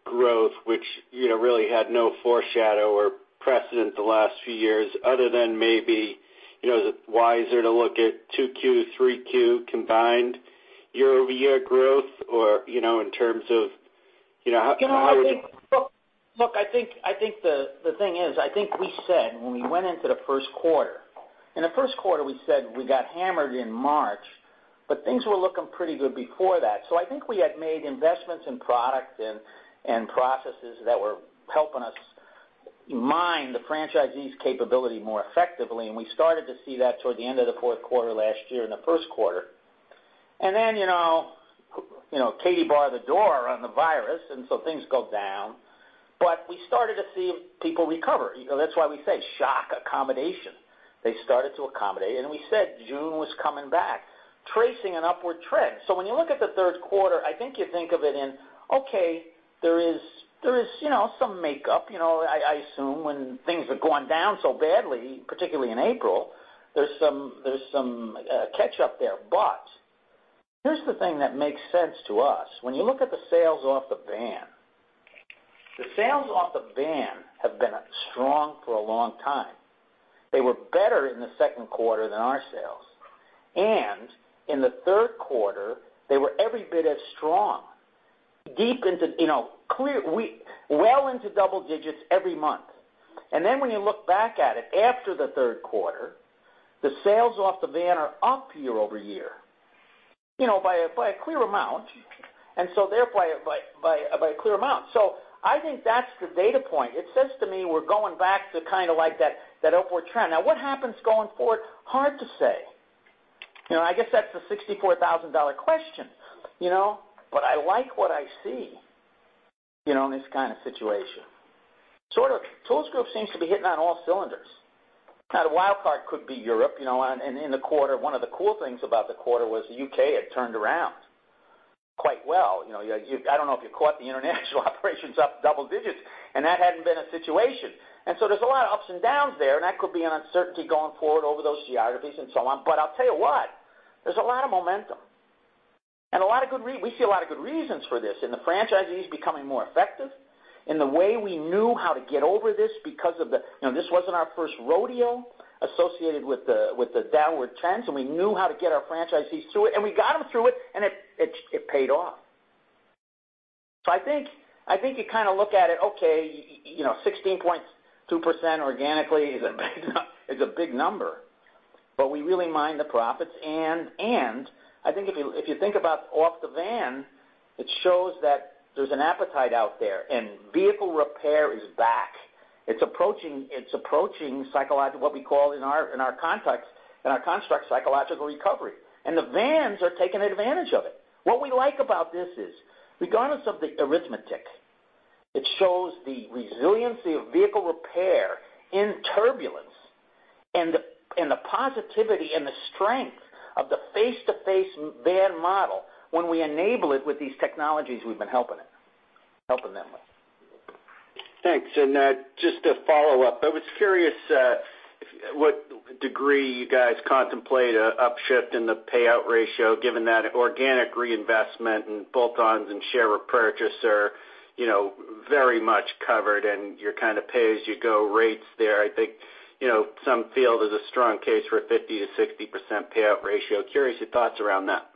growth, which really had no foreshadow or precedent the last few years other than maybe is it wiser to look at 2Q, 3Q combined year-over-year growth or in terms of how are you? Look, I think the thing is I think we said when we went into the first quarter, in the first quarter we said we got hammered in March, but things were looking pretty good before that. I think we had made investments in product and processes that were helping us mine the franchisees' capability more effectively, and we started to see that toward the end of the fourth quarter last year in the first quarter. Then Katie barred the door on the virus, and so things go down, but we started to see people recover. That's why we say shock accommodation. They started to accommodate, and we said June was coming back, tracing an upward trend. When you look at the third quarter, I think you think of it in, okay, there is some makeup. I assume when things are going down so badly, particularly in April, there is some catch-up there. Here is the thing that makes sense to us. When you look at the sales off the van, the sales off the van have been strong for a long time. They were better in the second quarter than our sales. In the third quarter, they were every bit as strong, deep into well into double digits every month. When you look back at it after the third quarter, the sales off the van are up year-over-year by a clear amount, and so therefore by a clear amount. I think that is the data point. It says to me we are going back to kind of like that upward trend. Now, what happens going forward? Hard to say. I guess that is the $64,000 question. I like what I see in this kind of situation. Sort of tools group seems to be hitting on all cylinders. Now, the wild card could be Europe. In the quarter, one of the cool things about the quarter was the U.K. had turned around quite well. I do not know if you caught the international operations up double digits, and that had not been a situation. There is a lot of ups and downs there, and that could be an uncertainty going forward over those geographies and so on. I will tell you what, there is a lot of momentum and a lot of good reasons. We see a lot of good reasons for this. The franchisees becoming more effective in the way we knew how to get over this because this was not our first rodeo associated with the downward trends, and we knew how to get our franchisees through it, and we got them through it, and it paid off. I think you kind of look at it, okay, 16.2% organically is a big number, but we really mind the profits. I think if you think about off the van, it shows that there is an appetite out there, and vehicle repair is back. It is approaching psychological, what we call in our context, in our construct, psychological recovery. The vans are taking advantage of it. What we like about this is regardless of the arithmetic, it shows the resiliency of vehicle repair in turbulence and the positivity and the strength of the face-to-face van model when we enable it with these technologies we've been helping them with. Thanks. Just to follow up, I was curious what degree you guys contemplate an upshift in the payout ratio given that organic reinvestment and bolt-ons and share repurchase are very much covered and your kind of pay-as-you-go rates there. I think some feel there is a strong case for a 50%-60% payout ratio. Curious your thoughts around that.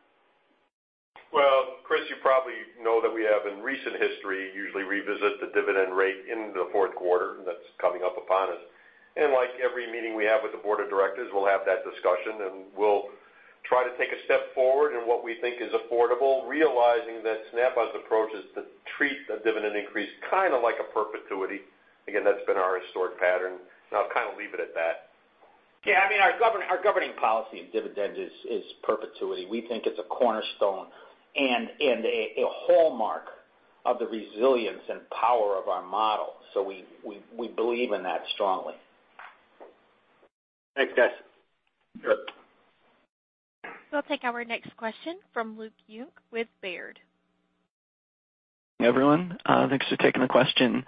Chris, you probably know that we have in recent history usually revisit the dividend rate in the fourth quarter, and that's coming up upon us. Like every meeting we have with the board of directors, we'll have that discussion, and we'll try to take a step forward in what we think is affordable, realizing that Snap-on's approach is to treat a dividend increase kind of like a perpetuity. Again, that's been our historic pattern. I'll kind of leave it at that. Yeah. I mean, our governing policy of dividend is perpetuity. We think it's a cornerstone and a hallmark of the resilience and power of our model. So we believe in that strongly. Thanks, guys. Good. We'll take our next question from Luke Junk with Baird. Hey, everyone. Thanks for taking the question.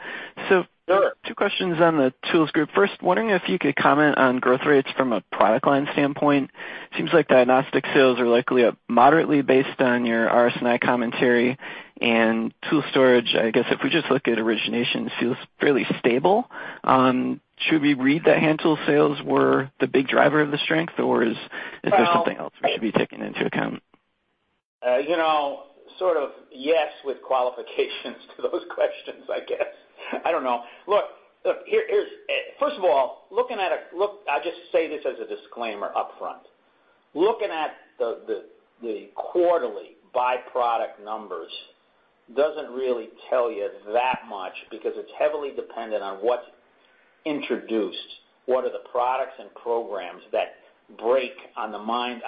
Two questions on the tools group. First, wondering if you could comment on growth rates from a product line standpoint. Seems like diagnostic sales are likely up moderately based on your RS&I commentary. Tool storage, I guess if we just look at origination, feels fairly stable. Should we read that hand tool sales were the big driver of the strength, or is there something else we should be taking into account? Sort of yes with qualifications to those questions, I guess. I don't know. Look, first of all, looking at a look, I'll just say this as a disclaimer upfront. Looking at the quarterly byproduct numbers doesn't really tell you that much because it's heavily dependent on what's introduced, what are the products and programs that break on the mind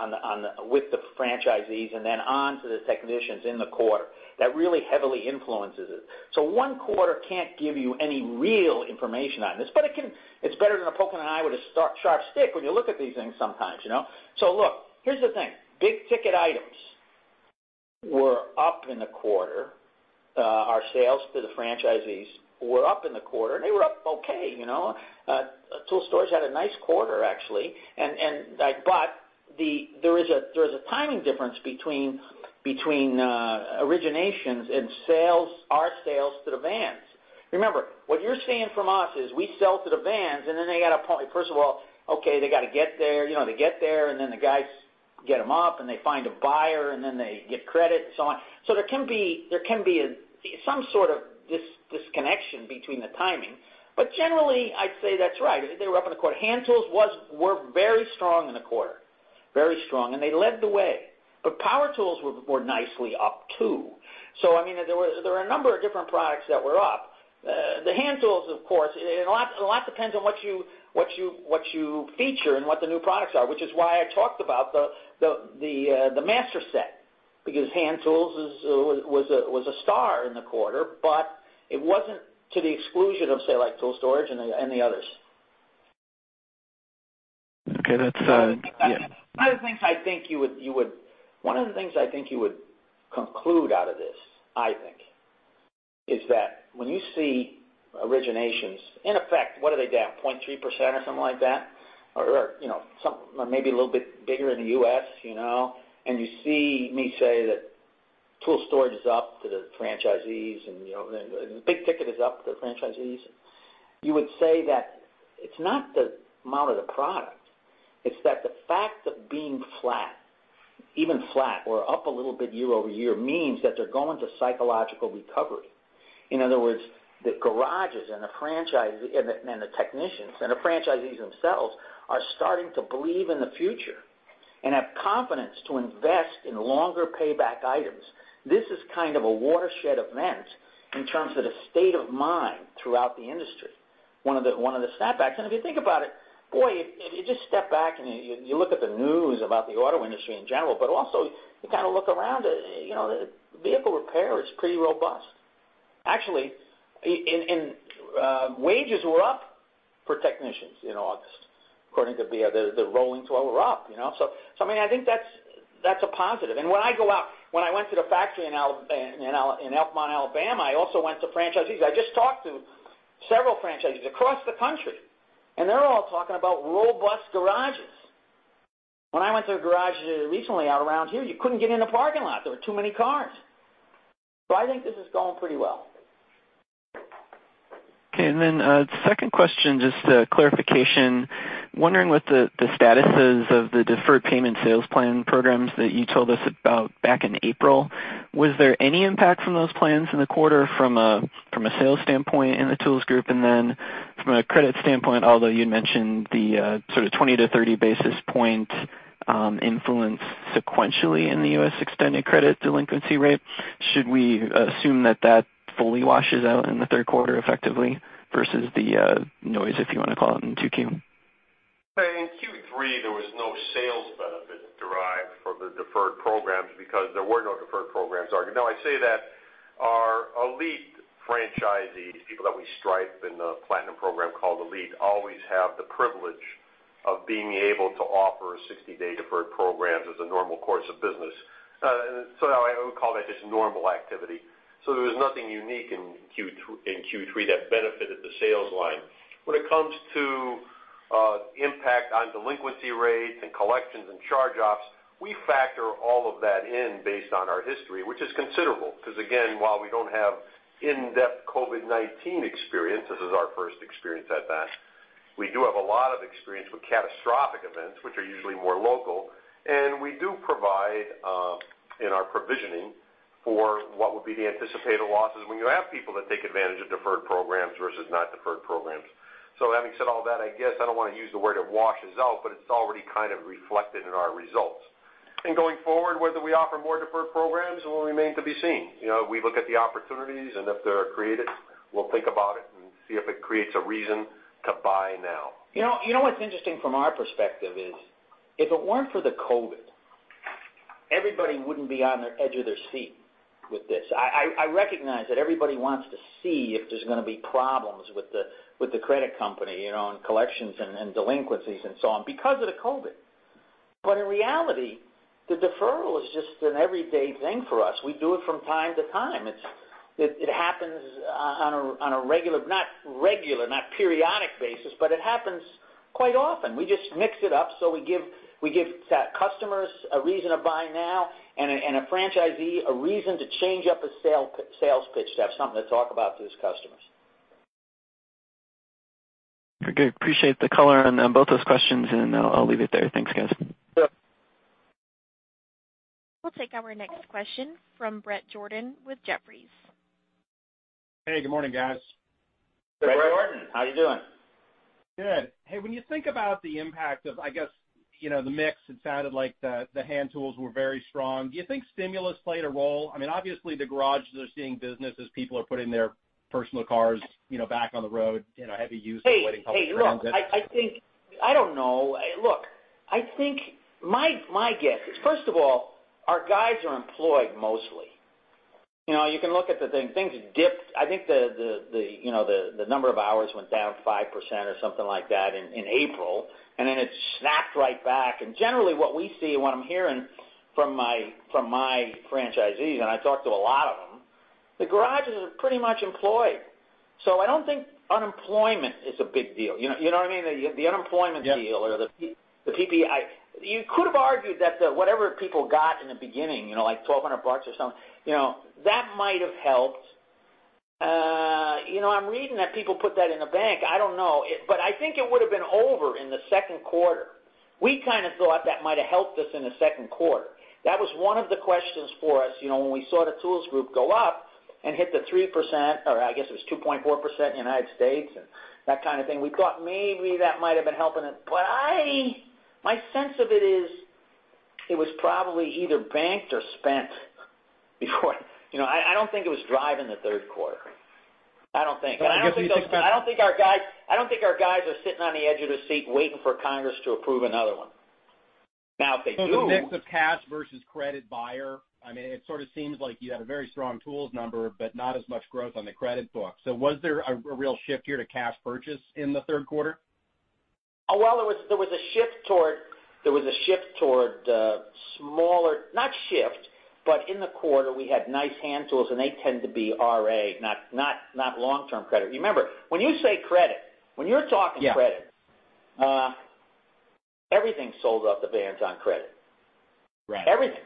with the franchisees and then on to the technicians in the quarter. That really heavily influences it. One quarter can't give you any real information on this, but it's better than poking an eye with a sharp stick when you look at these things sometimes. Look, here's the thing. Big ticket items were up in the quarter. Our sales to the franchisees were up in the quarter, and they were up okay. Tool storage had a nice quarter, actually. There is a timing difference between originations and our sales to the vans. Remember, what you're seeing from us is we sell to the vans, and then they got to point, first of all, okay, they got to get there. They get there, and then the guys get them up, and they find a buyer, and then they get credit and so on. There can be some sort of disconnection between the timing. Generally, I'd say that's right. They were up in the quarter. Hand tools were very strong in the quarter. Very strong. They led the way. Power tools were nicely up too. I mean, there were a number of different products that were up. The hand tools, of course, a lot depends on what you feature and what the new products are, which is why I talked about the master set because hand tools was a star in the quarter, but it was not to the exclusion of, say, like tool storage and the others. Okay. That's. One of the things I think you would conclude out of this, I think, is that when you see originations, in effect, what are they down? 0.3% or something like that? Or maybe a little bit bigger in the U.S. You see me say that tool storage is up to the franchisees, and the big ticket is up to the franchisees. You would say that it's not the amount of the product. It's that the fact of being flat, even flat, or up a little bit year-over-year means that they're going to psychological recovery. In other words, the garages and the technicians and the franchisees themselves are starting to believe in the future and have confidence to invest in longer payback items. This is kind of a watershed event in terms of the state of mind throughout the industry. One of the snapbacks. If you think about it, boy, if you just step back and you look at the news about the auto industry in general, but also you kind of look around, vehicle repair is pretty robust. Actually, wages were up for technicians in August, according to the rolling 12, were up. I mean, I think that's a positive. When I go out, when I went to the factory in Elkmont, Alabama, I also went to franchisees. I just talked to several franchisees across the country, and they're all talking about robust garages. When I went to a garage recently out around here, you could not get in the parking lot. There were too many cars. I think this is going pretty well. Okay. And then second question, just clarification. Wondering what the status is of the deferred payment sales plan programs that you told us about back in April. Was there any impact from those plans in the quarter from a sales standpoint in the tools group? And then from a credit standpoint, although you'd mentioned the sort of 20-30 basis point influence sequentially in the U.S. extended credit delinquency rate, should we assume that that fully washes out in the third quarter effectively versus the noise, if you want to call it, in 2Q? In Q3, there was no sales benefit derived from the deferred programs because there were no deferred programs. Now, I say that our elite franchisees, people that we stripe in the Platinum program called Elite, always have the privilege of being able to offer 60-day deferred programs as a normal course of business. I would call that just normal activity. There was nothing unique in Q3 that benefited the sales line. When it comes to impact on delinquency rates and collections and charge-offs, we factor all of that in based on our history, which is considerable because, again, while we do not have in-depth COVID-19 experience, this is our first experience at that. We do have a lot of experience with catastrophic events, which are usually more local. We do provide in our provisioning for what would be the anticipated losses when you have people that take advantage of deferred programs versus not deferred programs. Having said all that, I guess I do not want to use the word it washes out, but it is already kind of reflected in our results. Going forward, whether we offer more deferred programs will remain to be seen. We look at the opportunities, and if they are created, we will think about it and see if it creates a reason to buy now. You know what's interesting from our perspective is if it weren't for the COVID-19, everybody wouldn't be on the edge of their seat with this. I recognize that everybody wants to see if there's going to be problems with the credit company and collections and delinquencies and so on because of the COVID-19. In reality, the deferral is just an everyday thing for us. We do it from time to time. It happens on a regular, not regular, not periodic basis, but it happens quite often. We just mix it up. We give customers a reason to buy now and a franchisee a reason to change up a sales pitch to have something to talk about to his customers. Okay. Appreciate the color on both those questions, and I'll leave it there. Thanks, guys. We'll take our next question from Bret Jordan with Jefferies. Hey, good morning, guys. Bret Jordan, how are you doing? Good. Hey, when you think about the impact of, I guess, the mix, it sounded like the hand tools were very strong. Do you think stimulus played a role? I mean, obviously, the garages are seeing business as people are putting their personal cars back on the road, heavy use of waiting public transit. Hey, I don't know. Look, I think my guess is, first of all, our guys are employed mostly. You can look at the thing. Things dipped. I think the number of hours went down 5% or something like that in April, and then it snapped right back. Generally, what we see and what I'm hearing from my franchisees, and I talked to a lot of them, the garages are pretty much employed. I don't think unemployment is a big deal. You know what I mean? The unemployment deal or the PPI, you could have argued that whatever people got in the beginning, like $1,200 or something, that might have helped. I'm reading that people put that in the bank. I don't know. I think it would have been over in the second quarter. We kind of thought that might have helped us in the second quarter. That was one of the questions for us when we saw the tools group go up and hit the 3%, or I guess it was 2.4% in the United States and that kind of thing. We thought maybe that might have been helping it. My sense of it is it was probably either banked or spent before. I do not think it was driving the third quarter. I do not think. I do not think our guys are sitting on the edge of their seat waiting for Congress to approve another one. Now, if they do. The mix of cash versus credit buyer, I mean, it sort of seems like you had a very strong tools number, but not as much growth on the credit book. Was there a real shift here to cash purchase in the third quarter? Oh, there was a shift toward, there was a shift toward smaller, not shift, but in the quarter, we had nice hand tools, and they tend to be RA, not long-term credit. Remember, when you say credit, when you're talking credit, everything sold up the vans on credit. Everything.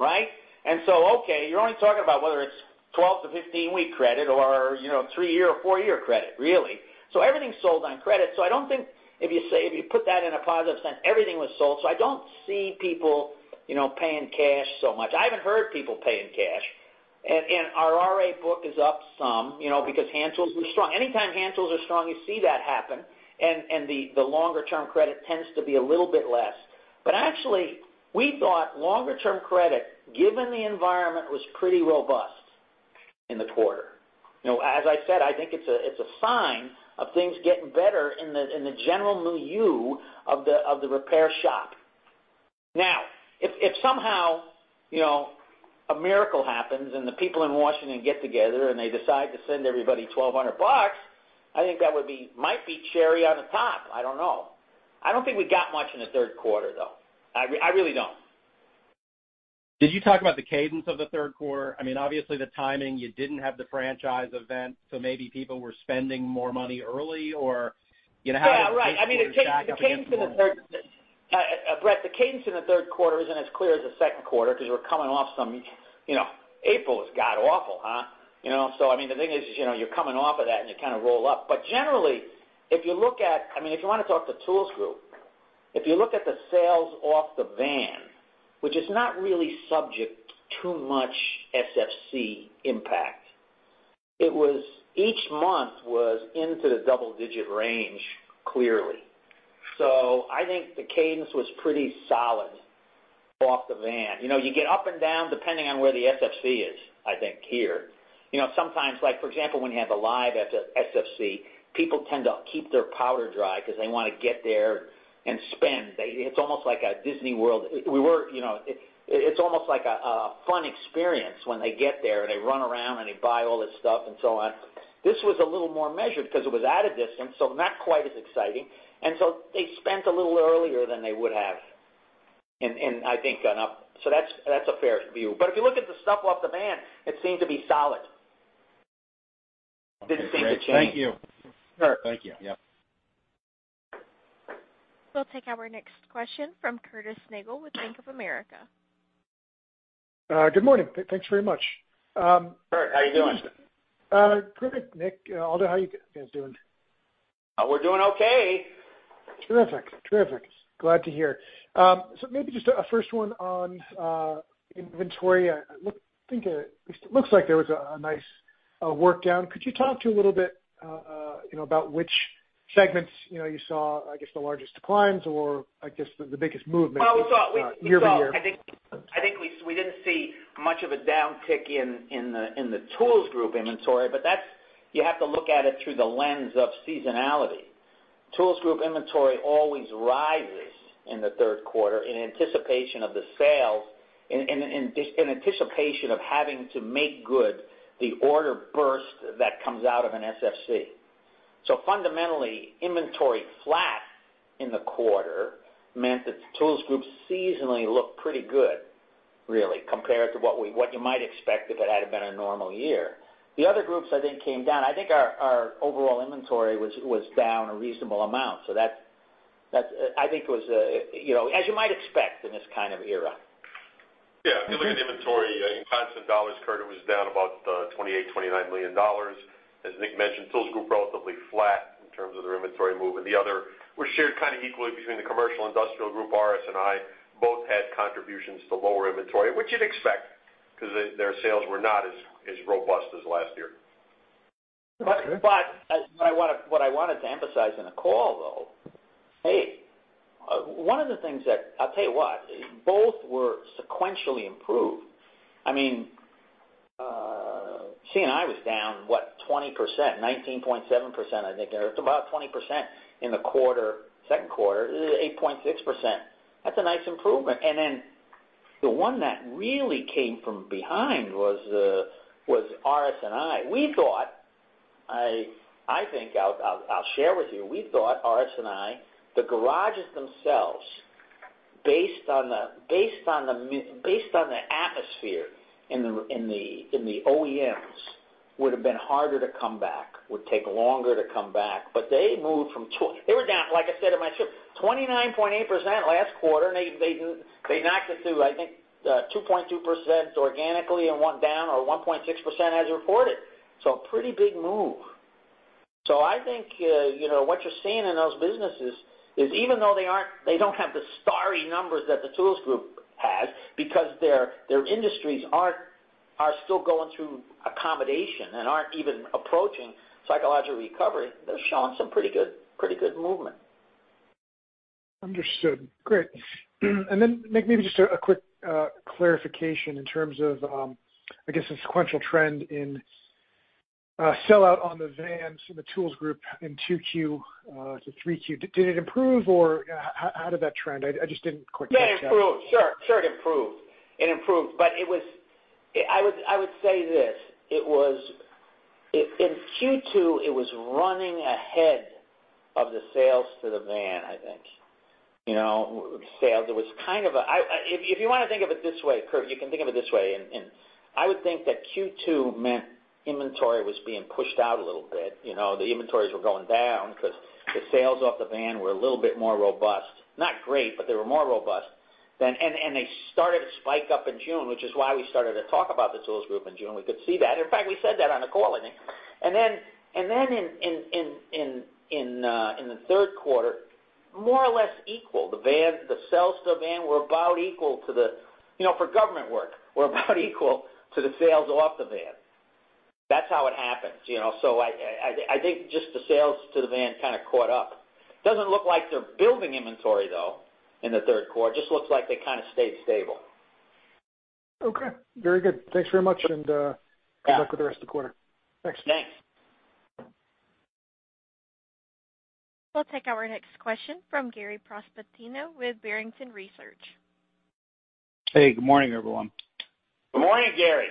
Right? Okay, you're only talking about whether it's 12- to 15-week credit or 3-year or 4-year credit, really. Everything sold on credit. I don't think if you put that in a positive sense, everything was sold. I don't see people paying cash so much. I haven't heard people paying cash. Our RA book is up some because hand tools were strong. Anytime hand tools are strong, you see that happen, and the longer-term credit tends to be a little bit less. Actually, we thought longer-term credit, given the environment, was pretty robust in the quarter. As I said, I think it's a sign of things getting better in the general milieu of the repair shop. Now, if somehow a miracle happens and the people in Washington get together and they decide to send everybody $1,200, I think that might be cherry on the top. I don't know. I don't think we got much in the third quarter, though. I really don't. Did you talk about the cadence of the third quarter? I mean, obviously, the timing, you did not have the franchise event, so maybe people were spending more money early, or how did that happen? Yeah, right. I mean, the cadence in the third, Bret, the cadence in the third quarter isn't as clear as the second quarter because we're coming off some April was God awful, huh? I mean, the thing is you're coming off of that, and you kind of roll up. Generally, if you look at, I mean, if you want to talk to tools group, if you look at the sales off the van, which is not really subject to much SFC impact, each month was into the double-digit range clearly. I think the cadence was pretty solid off the van. You get up and down depending on where the SFC is, I think, here. Sometimes, for example, when you have the live SFC, people tend to keep their powder dry because they want to get there and spend. It's almost like a Disney World. It's almost like a fun experience when they get there, and they run around, and they buy all this stuff and so on. This was a little more measured because it was at a distance, so not quite as exciting. They spent a little earlier than they would have, I think, gone up. That's a fair view. If you look at the stuff off the van, it seemed to be solid. Didn't seem to change. Thank you. Sure. Thank you. Yep. We'll take our next question from Curtis Nagle with Bank of America. Good morning. Thanks very much. Sure. How are you doing? Good, Nick. Aldo, how are you guys doing? We're doing okay. Terrific. Terrific. Glad to hear. Maybe just a first one on inventory. Looks like there was a nice workdown. Could you talk to a little bit about which segments you saw, I guess, the largest declines or, I guess, the biggest movement year-over-year? I think we did not see much of a downtick in the tools group inventory, but you have to look at it through the lens of seasonality. Tools group inventory always rises in the third quarter in anticipation of the sales and in anticipation of having to make good the order burst that comes out of an SFC. Fundamentally, inventory flat in the quarter meant that the tools group seasonally looked pretty good, really, compared to what you might expect if it had been a normal year. The other groups, I think, came down. I think our overall inventory was down a reasonable amount. I think it was, as you might expect in this kind of era. Yeah. If you look at inventory in constant dollars, Curtin was down about $28 million-$29 million. As Nick mentioned, Tools Group relatively flat in terms of their inventory movement. The other were shared kind of equally between the Commercial & Industrial Group, RS, and I both had contributions to lower inventory, which you'd expect because their sales were not as robust as last year. What I wanted to emphasize in the call, though, hey, one of the things that I'll tell you what, both were sequentially improved. I mean, CNI was down, what, 20%, 19.7%, I think, or about 20% in the second quarter, 8.6%. That is a nice improvement. The one that really came from behind was RS&I. We thought, I think I'll share with you, we thought RS&I, the garages themselves, based on the atmosphere in the OEMs, would have been harder to come back, would take longer to come back. They moved from they were down, like I said in my script, 29.8% last quarter, and they knocked it through, I think, 2.2% organically and went down or 1.6% as reported. A pretty big move. I think what you're seeing in those businesses is even though they don't have the starry numbers that the tools group has because their industries are still going through accommodation and aren't even approaching psychological recovery, they're showing some pretty good movement. Understood. Great. Nick, maybe just a quick clarification in terms of, I guess, a sequential trend in sellout on the vans in the tools group in Q2 to 3Q. Did it improve, or how did that trend? I just didn't quite catch that. Yeah, it improved. Sure, it improved. It improved. I would say this. In Q2, it was running ahead of the sales to the van, I think. It was kind of a if you want to think of it this way, Curtin, you can think of it this way. I would think that Q2 meant inventory was being pushed out a little bit. The inventories were going down because the sales off the van were a little bit more robust. Not great, but they were more robust. They started to spike up in June, which is why we started to talk about the tools group in June. We could see that. In fact, we said that on a call, I think. In the third quarter, more or less equal. The sales to the van were about equal to the for government work, were about equal to the sales off the van. That is how it happened. I think just the sales to the van kind of caught up. It does not look like they are building inventory, though, in the third quarter. It just looks like they kind of stayed stable. Okay. Very good. Thanks very much, and good luck with the rest of the quarter. Thanks. Thanks. We'll take our next question from Gary Prestopino with Barrington Research. Hey, good morning, everyone. Good morning, Gary.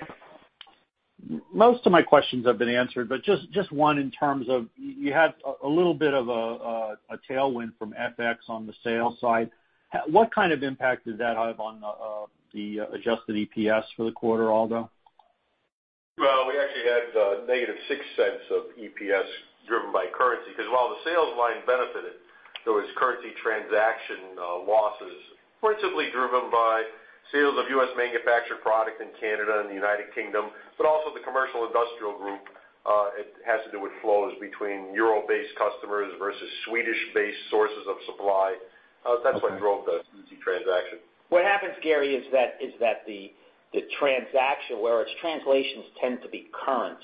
Most of my questions have been answered, but just one in terms of you had a little bit of a tailwind from FX on the sales side. What kind of impact did that have on the adjusted EPS for the quarter, Aldo? We actually had negative $0.06 of EPS driven by currency because while the sales line benefited, there were currency transaction losses principally driven by sales of U.S. manufactured product in Canada and the U.K., but also the commercial industrial group. It has to do with flows between Euro-based customers versus Swedish-based sources of supply. That's what drove the currency transaction. What happens, Gary, is that the transaction, whereas translations tend to be current,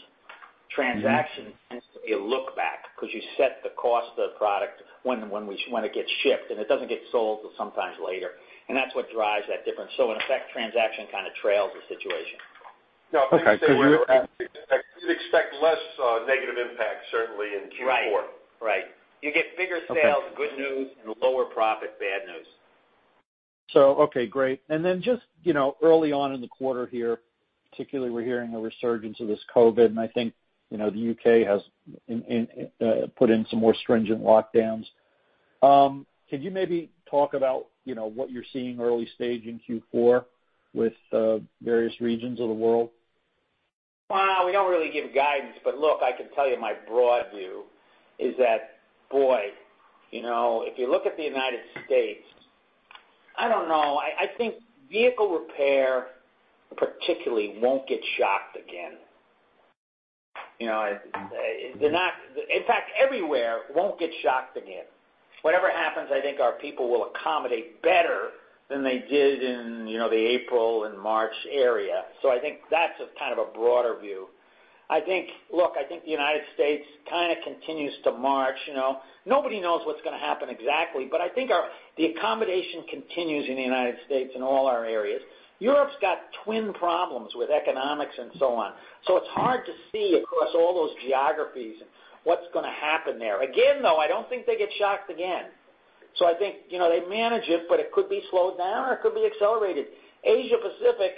transaction tends to be a look-back because you set the cost of the product when it gets shipped, and it does not get sold till sometimes later. That is what drives that difference. In effect, transaction kind of trails the situation. Yeah. I'd say you'd expect less negative impact, certainly, in Q4. Right. Right. You get bigger sales, good news, and lower profit, bad news. Okay, great. And then just early on in the quarter here, particularly, we're hearing a resurgence of this COVID, and I think the U.K. has put in some more stringent lockdowns. Could you maybe talk about what you're seeing early stage in Q4 with various regions of the world? I do not really give guidance, but look, I can tell you my broad view is that, boy, if you look at the United States, I do not know. I think vehicle repair, particularly, will not get shocked again. In fact, everywhere will not get shocked again. Whatever happens, I think our people will accommodate better than they did in the April and March area. I think that is kind of a broader view. Look, I think the United States kind of continues to march. Nobody knows what is going to happen exactly, but I think the accommodation continues in the United States and all our areas. Europe has got twin problems with economics and so on. It is hard to see across all those geographies what is going to happen there. Again, though, I do not think they get shocked again. I think they manage it, but it could be slowed down, or it could be accelerated. Asia-Pacific,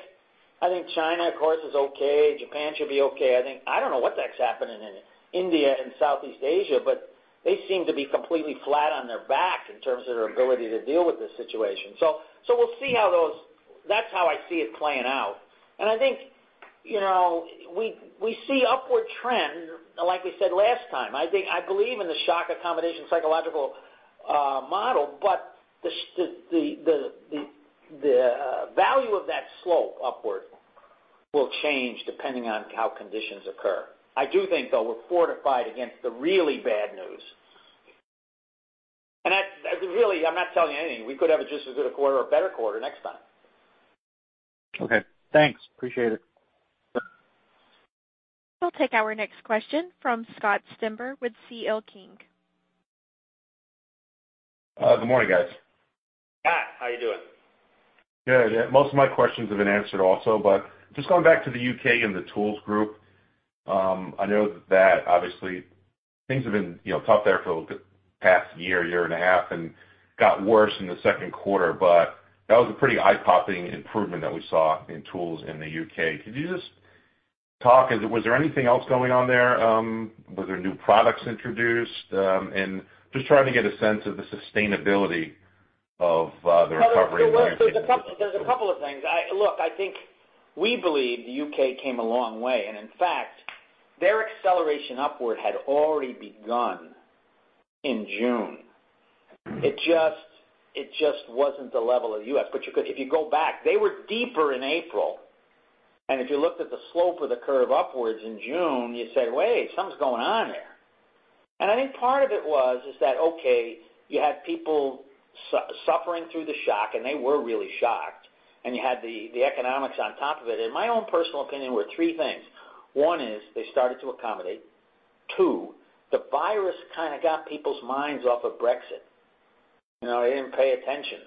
I think China, of course, is okay. Japan should be okay. I do not know what the heck is happening in India and Southeast Asia, but they seem to be completely flat on their back in terms of their ability to deal with this situation. We will see how those, that is how I see it playing out. I think we see upward trend, like we said last time. I believe in the shock accommodation psychological model, but the value of that slope upward will change depending on how conditions occur. I do think, though, we are fortified against the really bad news. Really, I am not telling you anything. We could have just as good a quarter or a better quarter next time. Okay. Thanks. Appreciate it. We'll take our next question from Scott Stember with CL King. Good morning, guys. Hi. How are you doing? Good. Most of my questions have been answered also. Just going back to the U.K. and the tools group, I know that, obviously, things have been tough there for the past year, year and a half, and got worse in the second quarter. That was a pretty eye-popping improvement that we saw in tools in the U.K. Could you just talk? Was there anything else going on there? Was there new products introduced? Just trying to get a sense of the sustainability of the recovery. are a couple of things. Look, I think we believe the U.K. came a long way. In fact, their acceleration upward had already begun in June. It just was not the level of the U.S. If you go back, they were deeper in April. If you looked at the slope of the curve upwards in June, you said, "Wait, something is going on here." I think part of it was that, okay, you had people suffering through the shock, and they were really shocked. You had the economics on top of it. In my own personal opinion, there were three things. One is they started to accommodate. Two, the virus kind of got people's minds off of Brexit. They did not pay attention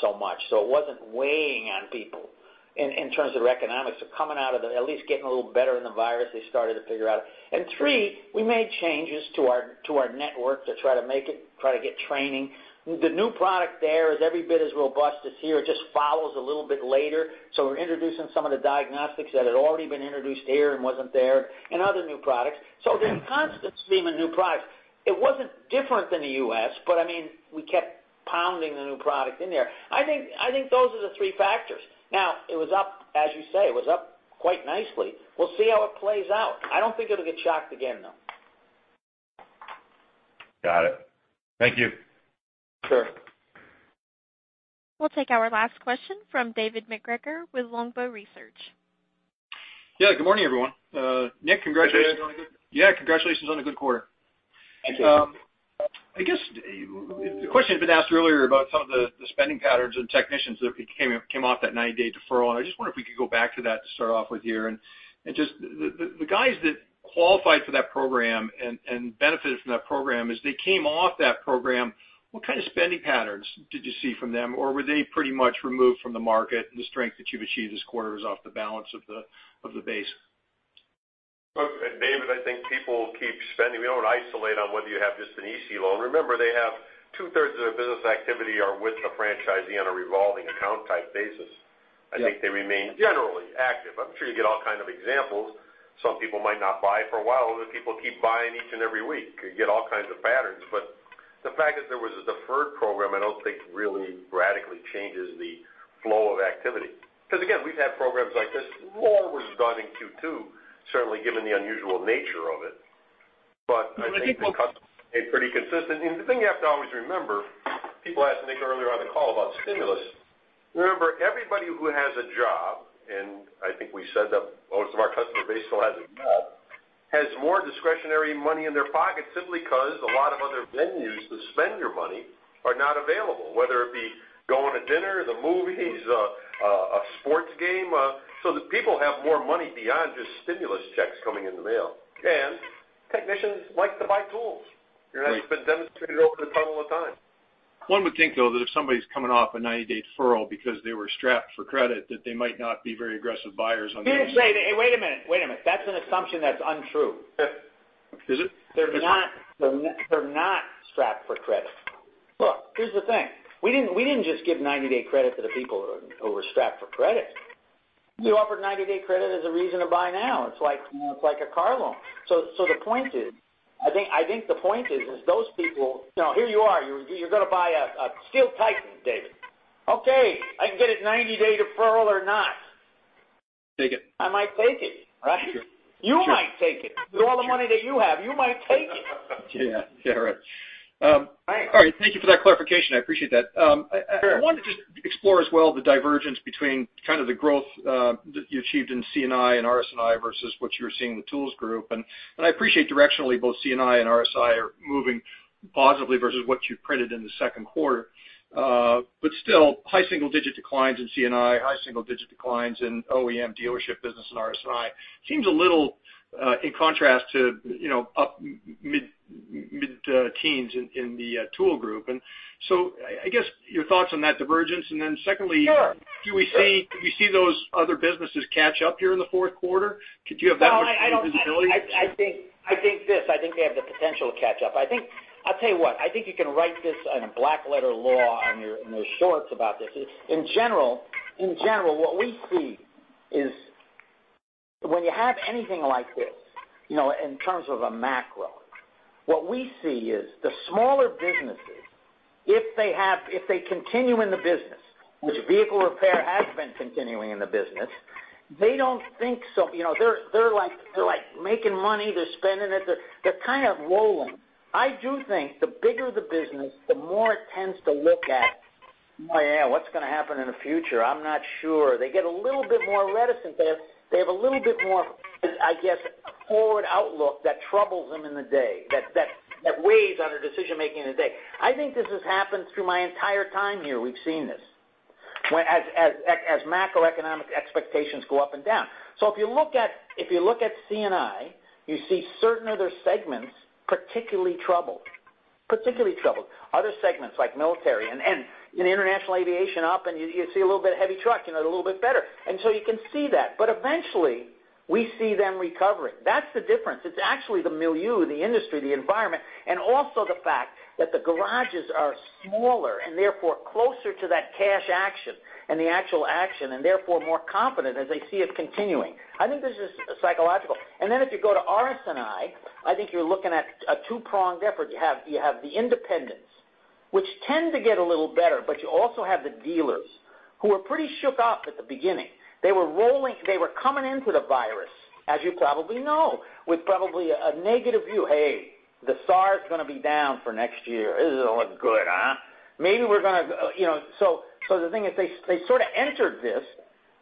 so much. It was not weighing on people in terms of their economics. Coming out of at least getting a little better than the virus, they started to figure out. And three, we made changes to our network to try to make it, try to get training. The new product there is every bit as robust as here. It just follows a little bit later. We are introducing some of the diagnostics that had already been introduced here and was not there, and other new products. There is a constant stream of new products. It was not different than the U.S., but I mean, we kept pounding the new product in there. I think those are the three factors. Now, it was up, as you say, it was up quite nicely. We will see how it plays out. I do not think it will get shocked again, though. Got it. Thank you. Sure. We'll take our last question from David MacGregor with Longbow Research. Yeah. Good morning, everyone. Nick, congratulations. Hey, guys. Yeah. Congratulations on a good quarter. Thank you. I guess the question had been asked earlier about some of the spending patterns and technicians that came off that 90-day deferral. I just wonder if we could go back to that to start off with here. Just the guys that qualified for that program and benefited from that program, as they came off that program, what kind of spending patterns did you see from them? Were they pretty much removed from the market, and the strength that you've achieved this quarter is off the balance of the base? David, I think people keep spending. We do not isolate on whether you have just an EC loan. Remember, they have two-thirds of their business activity are with the franchisee on a revolving account-type basis. I think they remain generally active. I am sure you get all kinds of examples. Some people might not buy for a while. Other people keep buying each and every week. You get all kinds of patterns. The fact that there was a deferred program, I do not think really radically changes the flow of activity. Again, we have had programs like this. More was done in Q2, certainly given the unusual nature of it. I think the customers stayed pretty consistent. The thing you have to always remember, people asked Nick earlier on the call about stimulus. Remember, everybody who has a job, and I think we said that most of our customer base still has a job, has more discretionary money in their pocket simply because a lot of other venues to spend your money are not available, whether it be going to dinner, the movies, a sports game. People have more money beyond just stimulus checks coming in the mail. Technicians like to buy tools. That has been demonstrated over the tunnel of time. One would think, though, that if somebody's coming off a 90-day deferral because they were strapped for credit, that they might not be very aggressive buyers on the. Wait a minute. Wait a minute. That's an assumption that's untrue. Is it? They're not strapped for credit. Look, here's the thing. We didn't just give 90-day credit to the people who were strapped for credit. We offered 90-day credit as a reason to buy now. It's like a car loan. The point is, I think the point is, those people, here you are, you're going to buy a Steel Titan, David. Okay. I can get it 90-day deferral or not. Take it. I might take it, right? Sure. You might take it. With all the money that you have, you might take it. Yeah. Yeah, right. All right. Thank you for that clarification. I appreciate that. I wanted to just explore as well the divergence between kind of the growth that you achieved in C&I and RS&I versus what you were seeing in the tools group. I appreciate directionally both C&I and RS&I are moving positively versus what you printed in the second quarter. Still, high single-digit declines in C&I, high single-digit declines in OEM dealership business and RS&I. Seems a little in contrast to mid-teens in the tool group. I guess your thoughts on that divergence. Secondly, do we see those other businesses catch up here in the fourth quarter? Could you have that much more visibility? I think this. I think they have the potential to catch up. I'll tell you what. I think you can write this in a black-letter law on your shorts about this. In general, what we see is when you have anything like this in terms of a macro, what we see is the smaller businesses, if they continue in the business, which vehicle repair has been continuing in the business, they do not think so they are like making money. They are spending it. They are kind of rolling. I do think the bigger the business, the more it tends to look at, "Well, yeah, what is going to happen in the future? I am not sure." They get a little bit more reticent. They have a little bit more, I guess, forward outlook that troubles them in the day, that weighs on their decision-making in the day. I think this has happened through my entire time here. We've seen this as macroeconomic expectations go up and down. If you look at C&I, you see certain other segments particularly troubled. Other segments like military and international aviation up, and you see a little bit of heavy truck, a little bit better. You can see that. Eventually, we see them recovering. That's the difference. It's actually the milieu, the industry, the environment, and also the fact that the garages are smaller and therefore closer to that cash action and the actual action, and therefore more confident as they see it continuing. I think this is psychological. If you go to RS&I, I think you're looking at a two-pronged effort. You have the independents, which tend to get a little better, but you also have the dealers who were pretty shook up at the beginning. They were coming into the virus, as you probably know, with probably a negative view, "Hey, the SAR is going to be down for next year. This isn't looking good, huh? Maybe we're going to " The thing is, they sort of entered this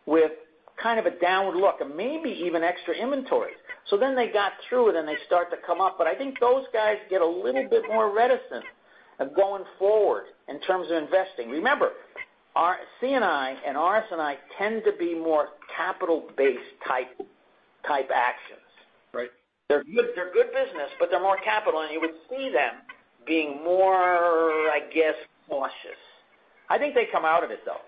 with kind of a downward look and maybe even extra inventories. They got through it, and they start to come up. I think those guys get a little bit more reticent of going forward in terms of investing. Remember, C&I and RS&I tend to be more capital-based type actions. Right. They're good business, but they're more capital. You would see them being more, I guess, cautious. I think they come out of it, though.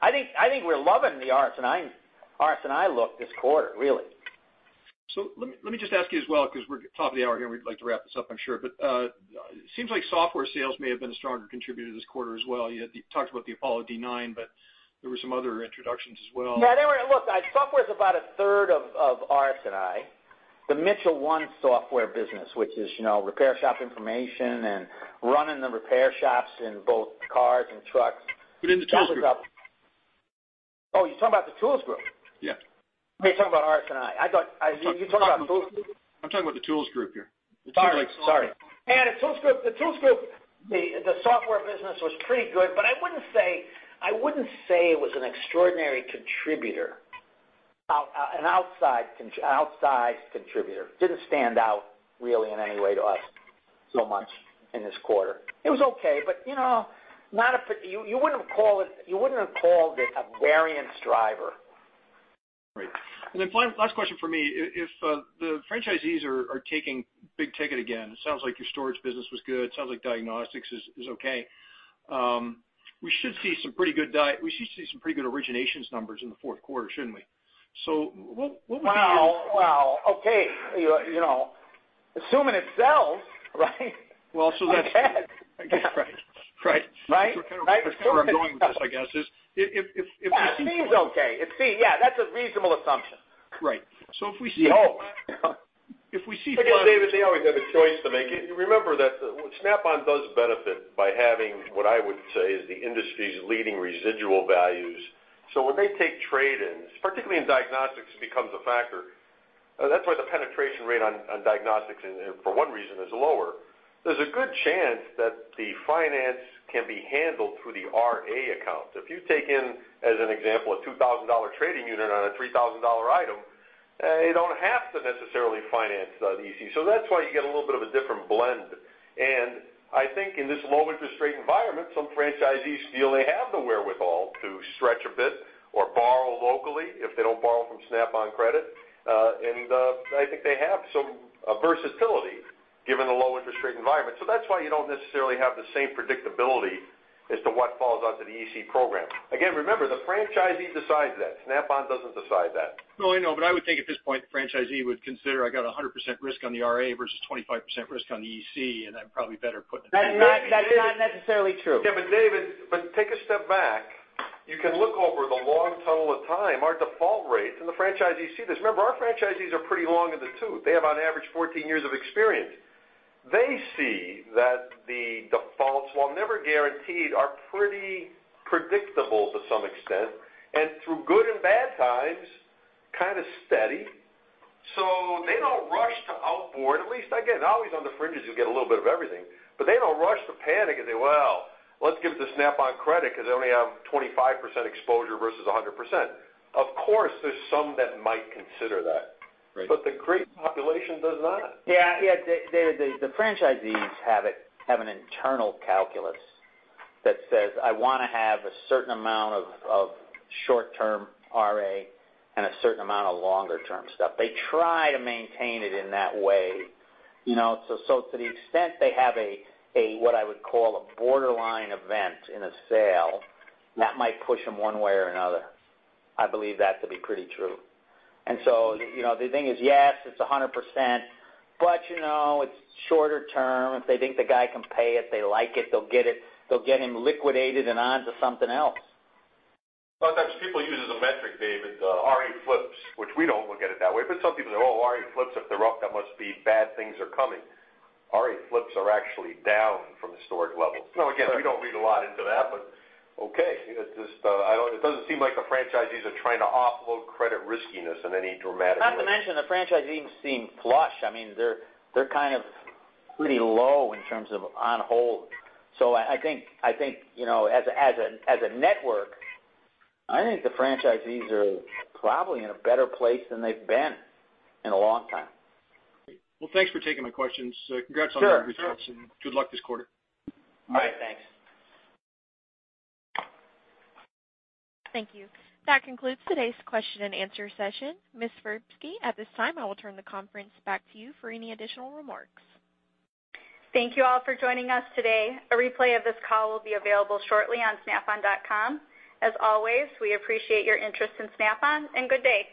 I think we're loving the RS&I look this quarter, really. Let me just ask you as well, because we're at the top of the hour here. We'd like to wrap this up, I'm sure. It seems like software sales may have been a stronger contributor this quarter as well. You talked about the APOLLO-D9, but there were some other introductions as well. Yeah. Look, software is about a third of RS&I. The Mitchell 1 software business, which is repair shop information and running the repair shops in both cars and trucks. In the tools group. Oh, you're talking about the tools group? Yeah. You're talking about RS&I. You're talking about Tools Group? I'm talking about the Tools Group here. Sorry. Sorry. In the tools group, the software business was pretty good, but I would not say it was an extraordinary contributor, an outsized contributor. Did not stand out really in any way to us so much in this quarter. It was okay, but not a you would not have called it a variance driver. Right. Last question for me. If the franchisees are taking big ticket again, it sounds like your storage business was good. It sounds like diagnostics is okay. We should see some pretty good originations numbers in the fourth quarter, shouldn't we? What would be your? Wow. Wow. Okay. Assuming it sells, right? That's, I guess, right? Right? Kind of where I'm going with this, I guess, is if we see. It seems okay. Yeah. That's a reasonable assumption. Right. If we see flaws. I guess, David, they always have a choice to make it. Remember that Snap-on does benefit by having what I would say is the industry's leading residual values. So when they take trade-ins, particularly in diagnostics, it becomes a factor. That's why the penetration rate on diagnostics, for one reason, is lower. There's a good chance that the finance can be handled through the RA account. If you take in, as an example, a $2,000 trading unit on a $3,000 item, they don't have to necessarily finance the EC. That's why you get a little bit of a different blend. I think in this low interest rate environment, some franchisees feel they have the wherewithal to stretch a bit or borrow locally if they don't borrow from Snap-on Credit. I think they have some versatility given the low interest rate environment. That's why you don't necessarily have the same predictability as to what falls onto the EC program. Again, remember, the franchisee decides that. Snap-on doesn't decide that. No, I know. I would think at this point, the franchisee would consider, "I got 100% risk on the RA versus 25% risk on the EC, and I'm probably better putting it together. That's not necessarily true. Yeah. David, take a step back. You can look over the long tunnel of time. Our default rates, and the franchisees see this. Remember, our franchisees are pretty long in the tooth. They have on average 14 years of experience. They see that the default swap, never guaranteed, are pretty predictable to some extent. Through good and bad times, kind of steady. They do not rush to outboard, at least. Again, always on the fringes, you'll get a little bit of everything. They do not rush to panic and say, "Let's give it to Snap-on Credit because they only have 25% exposure versus 100%." Of course, there are some that might consider that. The great population does not. Yeah. Yeah. The franchisees have an internal calculus that says, "I want to have a certain amount of short-term RA and a certain amount of longer-term stuff." They try to maintain it in that way. To the extent they have a, what I would call, a borderline event in a sale, that might push them one way or another. I believe that to be pretty true. The thing is, yes, it is 100%, but it is shorter term. If they think the guy can pay it, they like it, they will get him liquidated and on to something else. Sometimes people use as a metric, David, RE flips, which we do not look at it that way. Some people say, "Oh, RE flips, if they are up, that must be bad things are coming." RE flips are actually down from historic levels. Now, again, we do not read a lot into that, but okay. It does not seem like the franchisees are trying to offload credit riskiness in any dramatic way. Not to mention, the franchisees seem flush. I mean, they're kind of pretty low in terms of on hold. I think as a network, I think the franchisees are probably in a better place than they've been in a long time. Thanks for taking my questions. Congrats on your results. Good luck this quarter. All right. Thanks. Thank you. That concludes today's question and answer session. Ms. Verbsky, at this time, I will turn the conference back to you for any additional remarks. Thank you all for joining us today. A replay of this call will be available shortly on snap-on.com. As always, we appreciate your interest in Snap-on. Good day.